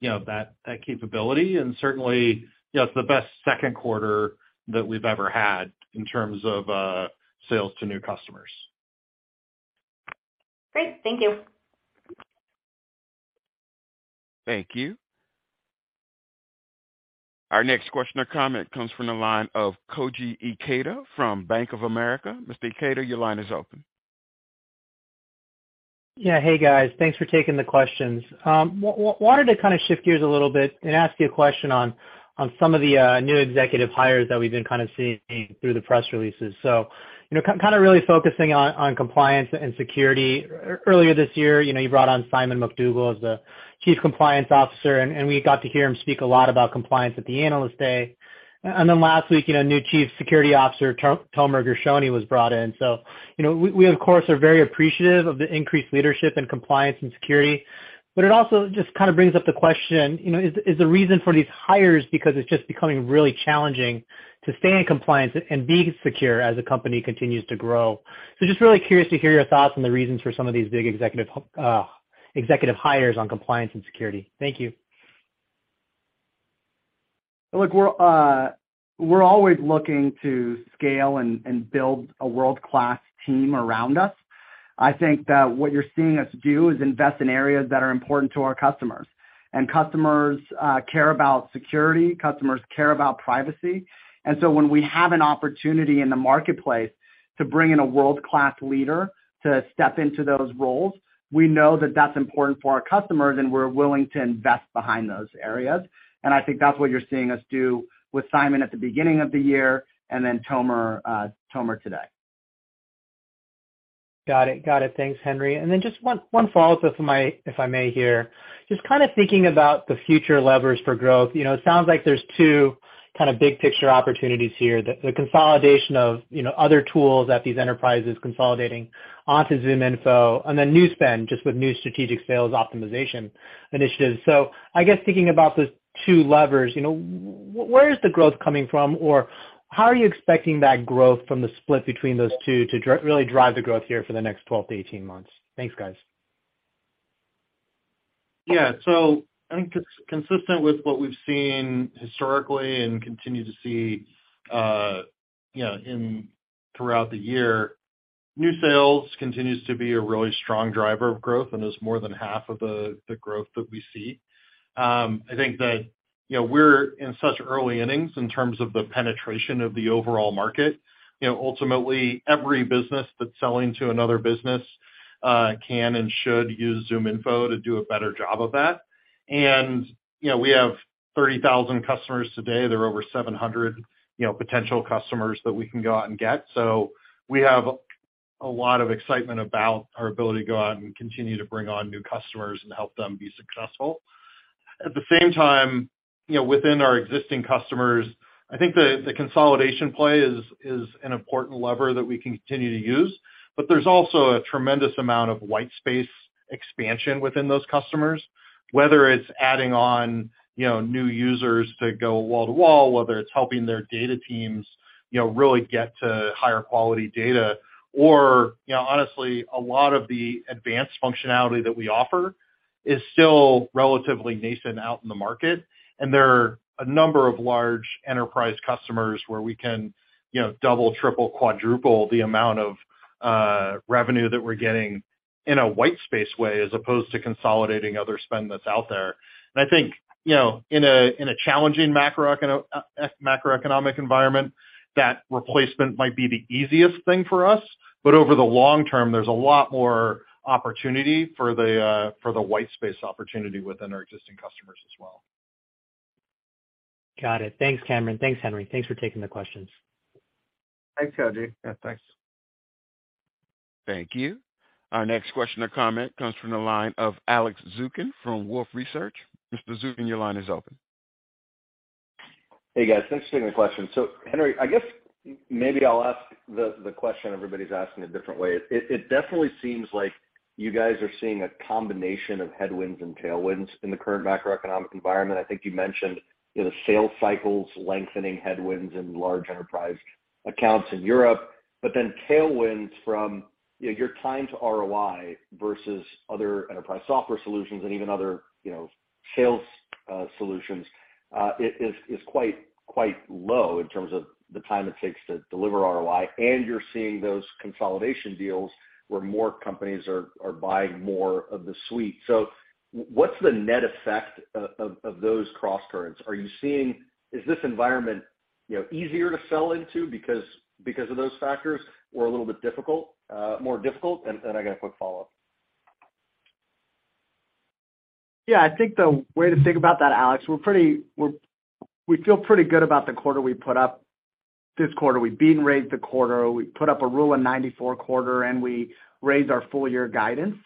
you know that capability and certainly you know it's the best second quarter that we've ever had in terms of sales to new customers. Great. Thank you. Thank you. Our next question or comment comes from the line of Koji Ikeda from Bank of America. Mr. Ikeda, your line is open. Yeah. Hey, guys. Thanks for taking the questions. Wanted to kind of shift gears a little bit and ask you a question on some of the new executive hires that we've been kind of seeing through the press releases. You know, kind of really focusing on compliance and security. Earlier this year, you know, you brought on Simon McDougall as the Chief Compliance Officer, and we got to hear him speak a lot about compliance at the Analyst Day. Last week, you know, new Chief Security Officer, Tomer Gershoni, was brought in. You know, we of course are very appreciative of the increased leadership in compliance and security, but it also just kind of brings up the question, you know, is the reason for these hires because it's just becoming really challenging to stay in compliance and be secure as the company continues to grow. Just really curious to hear your thoughts on the reasons for some of these big executive hires on compliance and security. Thank you. Look, we're always looking to scale and build a world-class team around us. I think that what you're seeing us do is invest in areas that are important to our customers. Customers care about security, customers care about privacy. When we have an opportunity in the marketplace to bring in a world-class leader to step into those roles, we know that that's important for our customers, and we're willing to invest behind those areas. I think that's what you're seeing us do with Simon at the beginning of the year and then Tomer today. Got it. Thanks, Henry. Then just one follow-up if I may here. Just kind of thinking about the future levers for growth. You know, it sounds like there's two kind of big picture opportunities here. The consolidation of, you know, other tools that these enterprises consolidating onto ZoomInfo and then new spend, just with new strategic sales optimization initiatives. So I guess thinking about those two levers, you know, where is the growth coming from, or how are you expecting that growth from the split between those two to really drive the growth here for the next 12-18 months? Thanks, guys. I think consistent with what we've seen historically and continue to see, you know, throughout the year, new sales continues to be a really strong driver of growth and is more than half of the growth that we see. I think that, you know, we're in such early innings in terms of the penetration of the overall market. You know, ultimately, every business that's selling to another business can and should use ZoomInfo to do a better job of that. You know, we have 30,000 customers today. There are over 700, you know, potential customers that we can go out and get. We have a lot of excitement about our ability to go out and continue to bring on new customers and help them be successful. At the same time, you know, within our existing customers, I think the consolidation play is an important lever that we continue to use, but there's also a tremendous amount of white space expansion within those customers, whether it's adding on, you know, new users to go wall to wall, whether it's helping their data teams, you know, really get to higher quality data. Or, you know, honestly, a lot of the advanced functionality that we offer is still relatively nascent out in the market, and there are a number of large enterprise customers where we can, you know, double, triple, quadruple the amount of revenue that we're getting in a white space way as opposed to consolidating other spend that's out there. I think, you know, in a challenging macroeconomic environment, that replacement might be the easiest thing for us. Over the long term, there's a lot more opportunity for the white space opportunity within our existing customers as well. Got it. Thanks, Cameron. Thanks, Henry. Thanks for taking the questions. Thanks, Koji. Yeah, thanks. Thank you. Our next question or comment comes from the line of Alex Zukin from Wolfe Research. Mr. Zukin, your line is open. Hey, guys, thanks for taking the question. Henry, I guess maybe I'll ask the question everybody's asking a different way. It definitely seems like you guys are seeing a combination of headwinds and tailwinds in the current macroeconomic environment. I think you mentioned, you know, the sales cycles lengthening headwinds in large enterprise accounts in Europe, but then tailwinds from, you know, your time to ROI versus other enterprise software solutions and even other, you know, sales solutions is quite low in terms of the time it takes to deliver ROI. You're seeing those consolidation deals where more companies are buying more of the suite. What's the net effect of those crosscurrents? Is this environment, you know, easier to sell into because of those factors or a little bit difficult, more difficult? I got a quick follow-up. Yeah. I think the way to think about that, Alex, we feel pretty good about the quarter we put up this quarter. We beat and raised the quarter. We put up a record 94 quarter, and we raised our full-year guidance.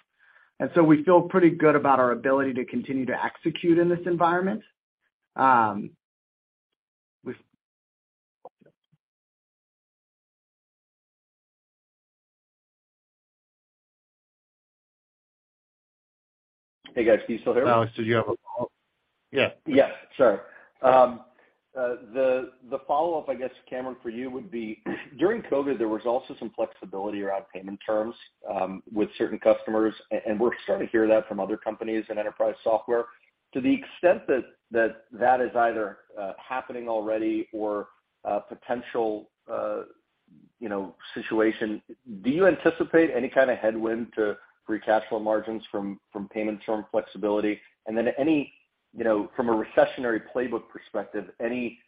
We feel pretty good about our ability to continue to execute in this environment. Hey, guys. Can you still hear me? Alex, did you have a follow-up? Yeah. Yeah. Sorry. The follow-up, I guess, Cameron, for you would be, during COVID, there was also some flexibility around payment terms with certain customers, and we're starting to hear that from other companies in enterprise software. To the extent that that is either happening already or a potential, you know, situation, do you anticipate any kind of headwind to free cash flow margins from payment term flexibility? And then any, you know, from a recessionary playbook perspective, any,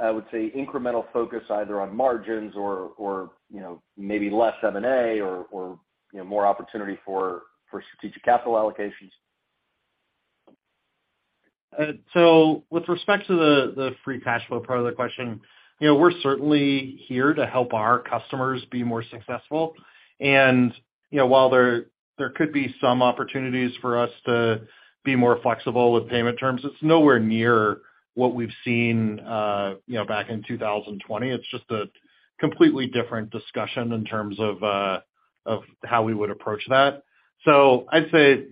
I would say, incremental focus either on margins or, you know, maybe less M&A or, you know, more opportunity for strategic capital allocations? With respect to the free cash flow part of the question, you know, we're certainly here to help our customers be more successful. You know, while there could be some opportunities for us to be more flexible with payment terms, it's nowhere near what we've seen, you know, back in 2020. It's just a completely different discussion in terms of how we would approach that. I'd say,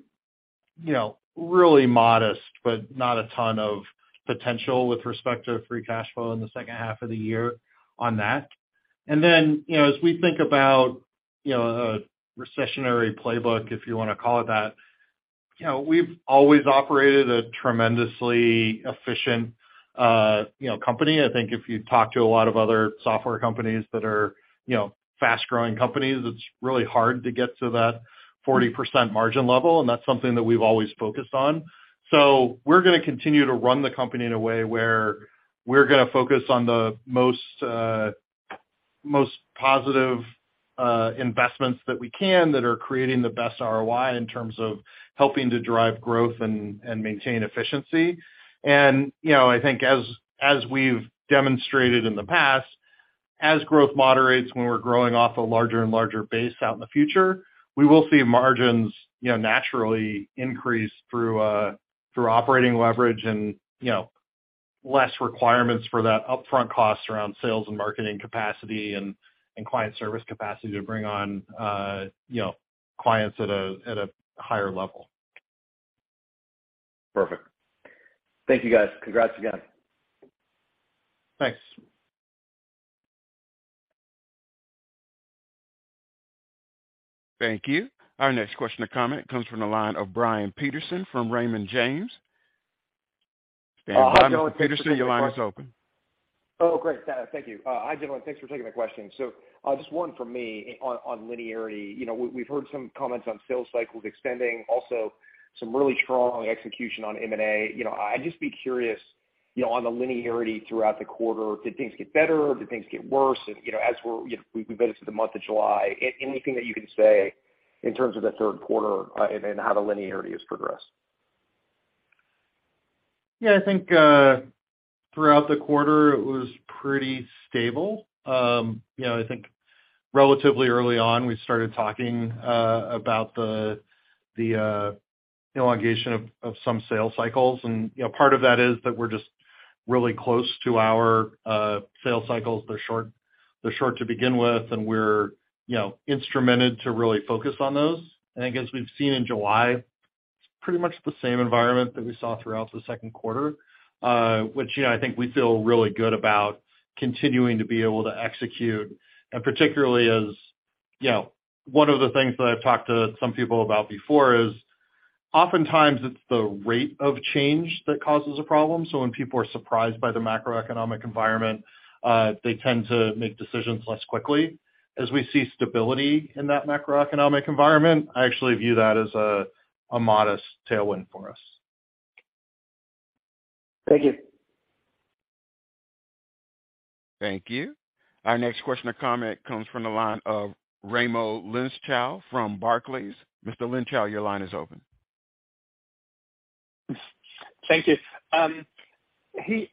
you know, really modest but not a ton of potential with respect to free cash flow in the second half of the year on that. Then, you know, as we think about a recessionary playbook, if you wanna call it that, you know, we've always operated a tremendously efficient company. I think if you talk to a lot of other software companies that are, you know, fast-growing companies, it's really hard to get to that 40% margin level, and that's something that we've always focused on. We're gonna continue to run the company in a way where we're gonna focus on the most positive investments that we can that are creating the best ROI in terms of helping to drive growth and maintain efficiency. You know, I think as we've demonstrated in the past, as growth moderates when we're growing off a larger and larger base out in the future, we will see margins, you know, naturally increase through operating leverage and, you know, less requirements for that upfront cost around sales and marketing capacity and client service capacity to bring on, you know, clients at a higher level. Perfect. Thank you, guys. Congrats again. Thanks. Thank you. Our next question or comment comes from the line of Brian Peterson from Raymond James. Brian Peterson, your line is open. Oh, great. Thank you. Hi, gentlemen. Thanks for taking my question. So, just one for me on linearity. You know, we've heard some comments on sales cycles extending, also some really strong execution on M&A. You know, I'd just be curious, you know, on the linearity throughout the quarter. Did things get better? Did things get worse? You know, we made it to the month of July. Anything that you can say in terms of the third quarter, and how the linearity has progressed. Yeah, I think throughout the quarter, it was pretty stable. You know, I think relatively early on, we started talking about the elongation of some sales cycles. You know, part of that is that we're just really close to our sales cycles. They're short to begin with, and we're instrumented to really focus on those. I guess we've seen in July, it's pretty much the same environment that we saw throughout the second quarter, which you know, I think we feel really good about continuing to be able to execute. Particularly as you know, one of the things that I've talked to some people about before is oftentimes it's the rate of change that causes a problem. When people are surprised by the macroeconomic environment, they tend to make decisions less quickly. As we see stability in that macroeconomic environment, I actually view that as a modest tailwind for us. Thank you. Thank you. Our next question or comment comes from the line of Raimo Lenschow from Barclays. Mr. Lenschow, your line is open. Thank you. Hey,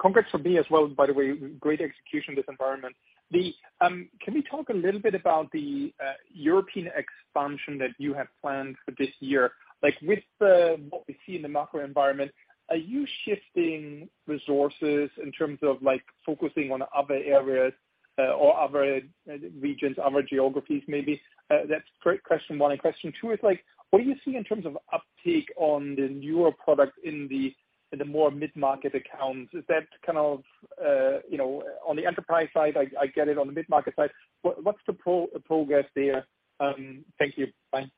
congrats for me as well. By the way, great execution in this environment. Can we talk a little bit about the European expansion that you have planned for this year? Like, with what we see in the macro environment, are you shifting resources in terms of, like, focusing on other areas or other regions, other geographies maybe? That's great question one. Question two is, like, what do you see in terms of uptake on the newer products in the more mid-market accounts? Is that kind of, you know, on the enterprise side, I get it on the mid-market side. What's the progress there? Thank you. Bye.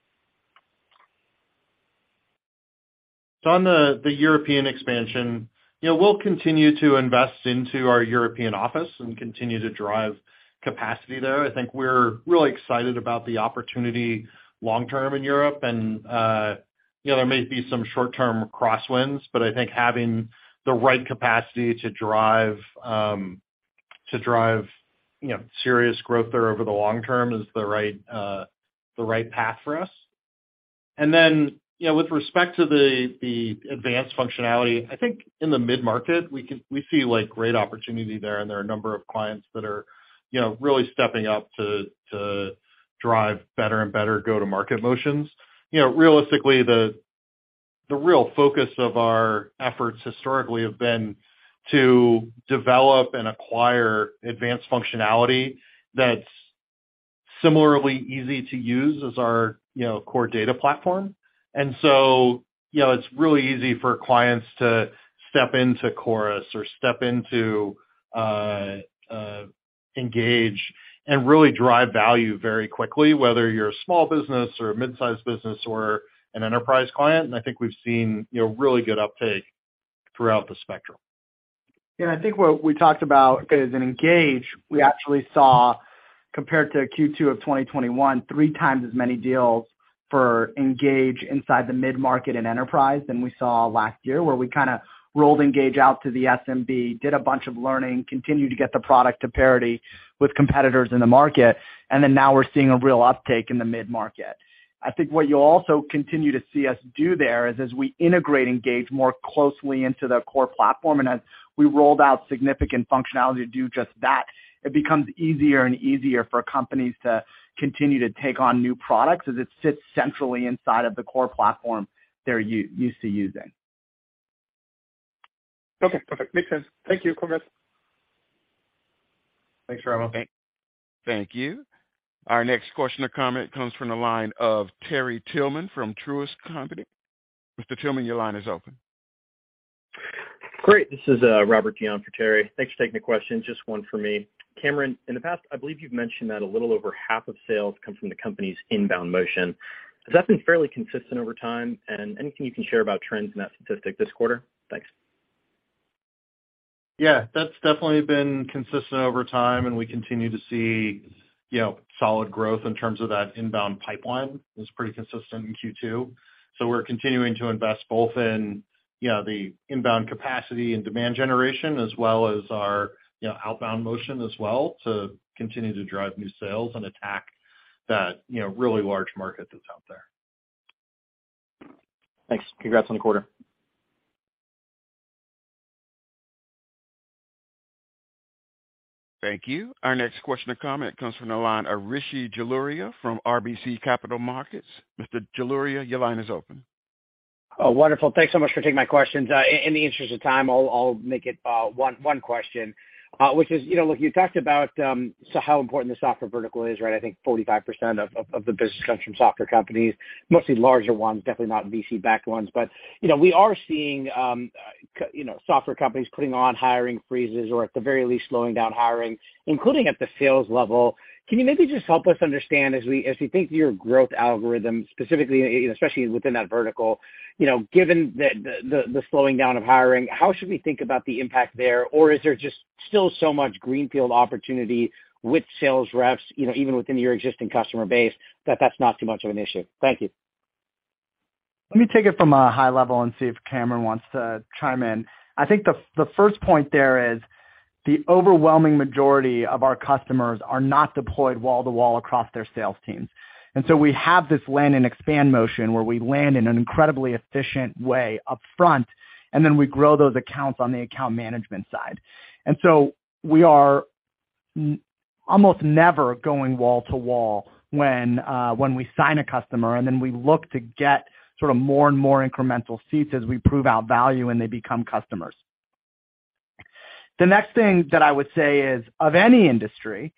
On the European expansion, you know, we'll continue to invest into our European office and continue to drive capacity there. I think we're really excited about the opportunity long-term in Europe. You know, there may be some short-term crosswinds, but I think having the right capacity to drive you know, serious growth there over the long term is the right path for us. You know, with respect to the advanced functionality, I think in the mid-market, we see, like, great opportunity there, and there are a number of clients that are, you know, really stepping up to drive better and better go-to-market motions. You know, realistically, the real focus of our efforts historically have been to develop and acquire advanced functionality that's similarly easy to use as our, you know, core data platform. You know, it's really easy for clients to step into Chorus or step into Engage and really drive value very quickly, whether you're a small business or a mid-sized business or an enterprise client. I think we've seen, you know, really good uptake throughout the spectrum. Yeah, I think what we talked about is in Engage, we actually saw, compared to Q2 of 2021, three times as many deals for Engage inside the mid-market and enterprise than we saw last year, where we kinda rolled Engage out to the SMB, did a bunch of learning, continued to get the product to parity with competitors in the market. Now we're seeing a real uptake in the mid-market. I think what you'll also continue to see us do there is as we integrate Engage more closely into the core platform, and as we rolled out significant functionality to do just that, it becomes easier and easier for companies to continue to take on new products as it sits centrally inside of the core platform they're used to using. Okay, perfect. Makes sense. Thank you. Congrats. Thanks, Raimo. Thank you. Our next question or comment comes from the line of Terry Tillman from Truist Securities. Mr. Tillman, your line is open. Great. This is Robert Dion for Terry. Thanks for taking the question. Just one for me. Cameron, in the past, I believe you've mentioned that a little over half of sales come from the company's inbound motion. Has that been fairly consistent over time? Anything you can share about trends in that statistic this quarter? Thanks. Yeah, that's definitely been consistent over time, and we continue to see, you know, solid growth in terms of that inbound pipeline. It was pretty consistent in Q2. We're continuing to invest both in, you know, the inbound capacity and demand generation as well as our, you know, outbound motion as well to continue to drive new sales and attack that, you know, really large market that's out there. Thanks. Congrats on the quarter. Thank you. Our next question or comment comes from the line of Rishi Jaluria from RBC Capital Markets. Mr. Jaluria, your line is open. Oh, wonderful. Thanks so much for taking my questions. In the interest of time, I'll make it one question, which is, you know, look, you talked about so how important the software vertical is, right? I think 45% of the business comes from software companies, mostly larger ones, definitely not VC-backed ones. You know, we are seeing you know, software companies putting on hiring freezes or at the very least slowing down hiring, including at the sales level. Can you maybe just help us understand as we think through your growth algorithm specifically, especially within that vertical, you know, given the slowing down of hiring, how should we think about the impact there? Or is there just still so much greenfield opportunity with sales reps, you know, even within your existing customer base that that's not too much of an issue? Thank you. Let me take it from a high level and see if Cameron wants to chime in. I think the first point there is the overwhelming majority of our customers are not deployed wall-to-wall across their sales teams. We have this land and expand motion where we land in an incredibly efficient way upfront, and then we grow those accounts on the account management side. We are almost never going wall to wall when we sign a customer, and then we look to get sort of more and more incremental seats as we prove out value and they become customers. The next thing that I would say is of any industry,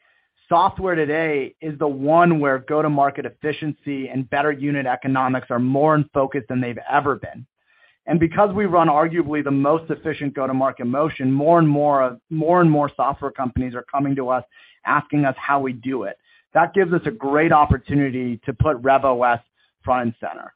software today is the one where go-to-market efficiency and better unit economics are more in focus than they've ever been. Because we run arguably the most efficient go-to-market motion, more and more software companies are coming to us asking us how we do it. That gives us a great opportunity to put RevOS front and center.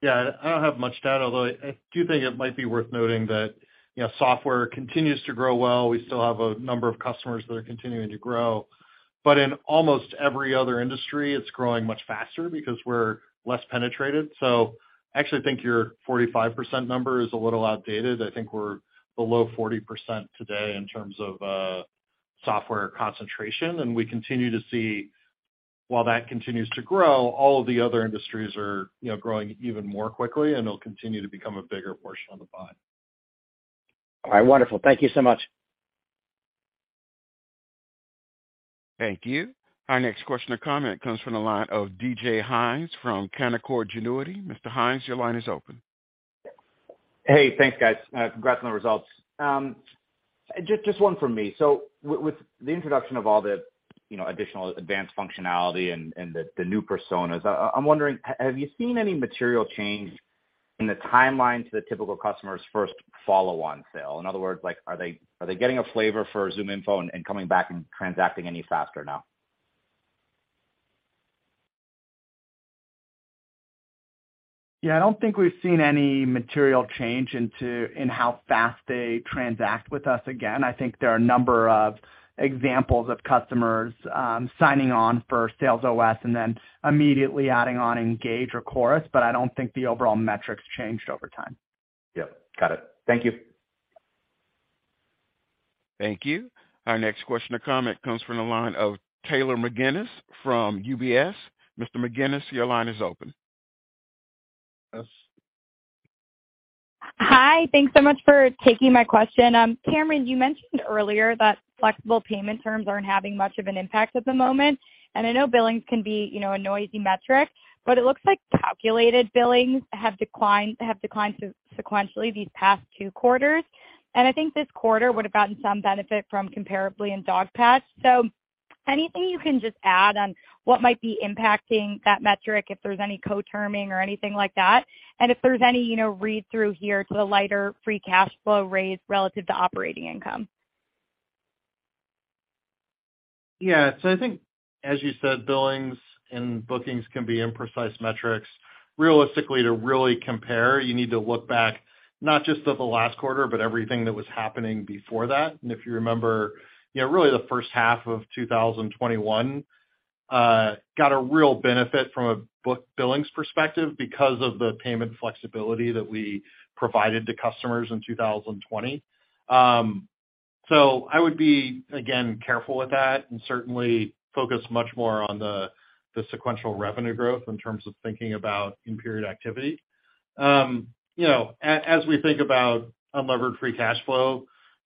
Yeah, I don't have much to add, although I do think it might be worth noting that, you know, software continues to grow well. We still have a number of customers that are continuing to grow. In almost every other industry, it's growing much faster because we're less penetrated. I actually think your 45% number is a little outdated. I think we're below 40% today in terms of software concentration, and we continue to see, while that continues to grow, all of the other industries are, you know, growing even more quickly and they'll continue to become a bigger portion of the pie. All right. Wonderful. Thank you so much. Thank you. Our next question or comment comes from the line of DJ Hynes from Canaccord Genuity. Mr. Hynes, your line is open. Hey, thanks, guys. Congrats on the results. Just one from me. With the introduction of all the, you know, additional advanced functionality and the new personas, I'm wondering, have you seen any material change in the timeline to the typical customer's first follow-on sale? In other words, like, are they getting a flavor for ZoomInfo and coming back and transacting any faster now? Yeah, I don't think we've seen any material change in how fast they transact with us again. I think there are a number of examples of customers signing on for SalesOS and then immediately adding on Engage or Chorus, but I don't think the overall metrics changed over time. Yep. Got it. Thank you. Thank you. Our next question or comment comes from the line of Taylor McGinnis from UBS. Mr. McGinnis, your line is open. Hi. Thanks so much for taking my question. Cameron, you mentioned earlier that flexible payment terms aren't having much of an impact at the moment, and I know billings can be, you know, a noisy metric, but it looks like calculated billings have declined sequentially these past two quarters. I think this quarter would have gotten some benefit from Comparably and Dogpatch Advisors. Anything you can just add on what might be impacting that metric, if there's any co-terming or anything like that, and if there's any, you know, read-through here to the lighter free cash flow raise relative to operating income. Yeah. I think as you said, billings and bookings can be imprecise metrics. Realistically, to really compare, you need to look back not just at the last quarter, but everything that was happening before that. If you remember, you know, really the first half of 2021 got a real benefit from a book billings perspective because of the payment flexibility that we provided to customers in 2020. I would be, again, careful with that and certainly focus much more on the sequential revenue growth in terms of thinking about in-period activity. You know, as we think about unlevered free cash flow,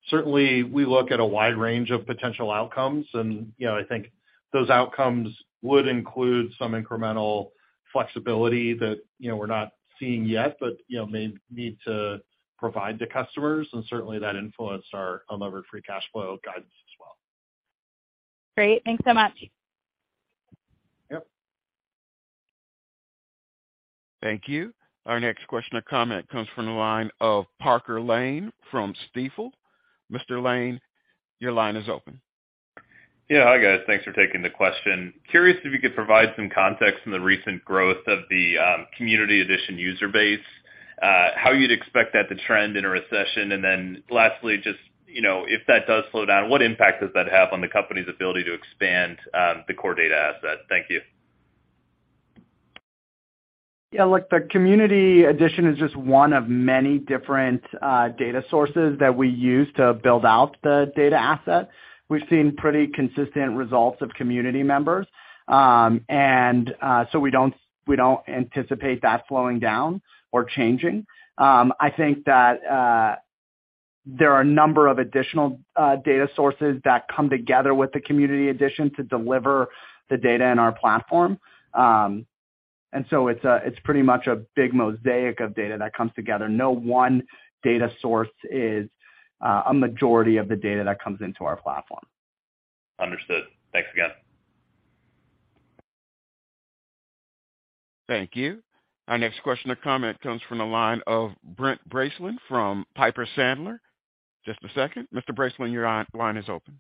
certainly we look at a wide range of potential outcomes. You know, I think those outcomes would include some incremental flexibility that, you know, we're not seeing yet, but, you know, may need to provide to customers and certainly that influenced our unlevered free cash flow guidance as well. Great. Thanks so much. Yep. Thank you. Our next question or comment comes from the line of Parker Lane from Stifel. Mr. Lane, your line is open. Yeah. Hi, guys. Thanks for taking the question. Curious if you could provide some context on the recent growth of the Community Edition user base, how you'd expect that to trend in a recession. Then lastly, just, you know, if that does slow down, what impact does that have on the company's ability to expand the core data asset? Thank you. Yeah. Look, the Community Edition is just one of many different data sources that we use to build out the data asset. We've seen pretty consistent results of community members. We don't anticipate that slowing down or changing. I think that there are a number of additional data sources that come together with the Community Edition to deliver the data in our platform. It's pretty much a big mosaic of data that comes together. No one data source is a majority of the data that comes into our platform. Understood. Thanks again. Thank you. Our next question or comment comes from the line of Brent Bracelin from Piper Sandler. Just a second. Mr. Bracelin, your line is open.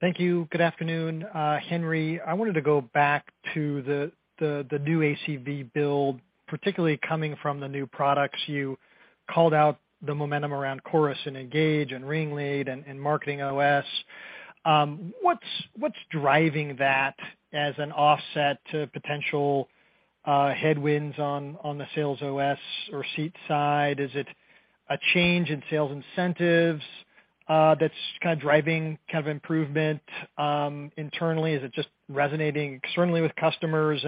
Thank you. Good afternoon. Henry, I wanted to go back to the new ACV build, particularly coming from the new products. You called out the momentum around Chorus and Engage and RingLead and MarketingOS. What's driving that as an offset to potential headwinds on the SalesOS or seat side? Is it a change in sales incentives that's kind of driving kind of improvement internally? Is it just resonating extremely with customers?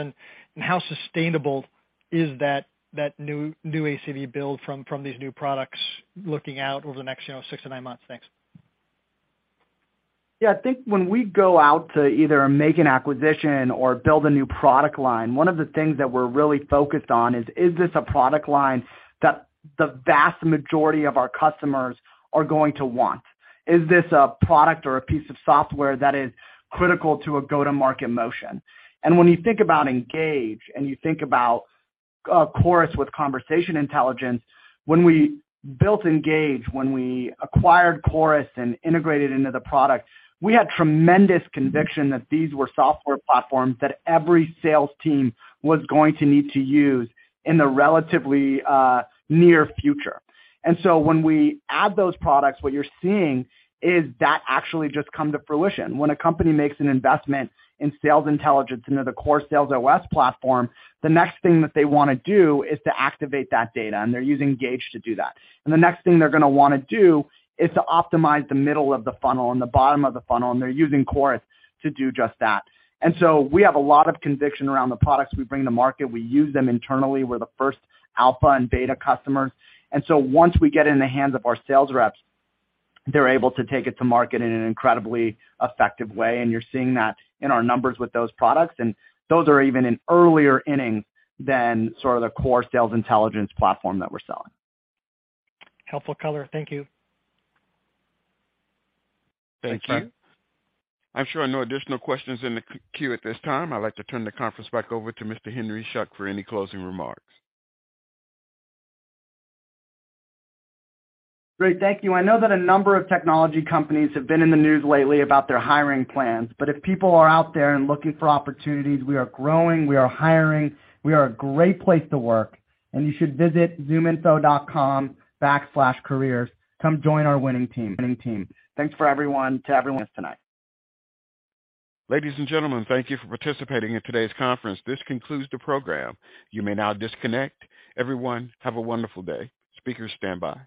How sustainable is that new ACV build from these new products looking out over the next, you know, six to nine months? Thanks. Yeah. I think when we go out to either make an acquisition or build a new product line, one of the things that we're really focused on is this a product line that the vast majority of our customers are going to want? Is this a product or a piece of software that is critical to a go-to-market motion? When you think about Engage and you think about Chorus with conversation intelligence, when we built Engage, when we acquired Chorus and integrated into the product, we had tremendous conviction that these were software platforms that every sales team was going to need to use in the relatively near future. When we add those products, what you're seeing is that actually just come to fruition. When a company makes an investment in sales intelligence into the core SalesOS platform, the next thing that they wanna do is to activate that data, and they're using Engage to do that. The next thing they're gonna wanna do is to optimize the middle of the funnel and the bottom of the funnel, and they're using Chorus to do just that. We have a lot of conviction around the products we bring to market. We use them internally. We're the first alpha and beta customer. Once we get it in the hands of our sales reps, they're able to take it to market in an incredibly effective way. You're seeing that in our numbers with those products, and those are even in earlier inning than sort of the core sales intelligence platform that we're selling. Helpful color. Thank you. Thank you. I'm showing no additional questions in the queue at this time. I'd like to turn the conference back over to Mr. Henry Schuck for any closing remarks. Great. Thank you. I know that a number of technology companies have been in the news lately about their hiring plans, but if people are out there and looking for opportunities, we are growing, we are hiring, we are a great place to work, and you should visit ZoomInfo.com/careers. Come join our winning team. Thanks to everyone with us tonight. Ladies and gentlemen, thank you for participating in today's conference. This concludes the program. You may now disconnect. Everyone, have a wonderful day. Speakers stand by.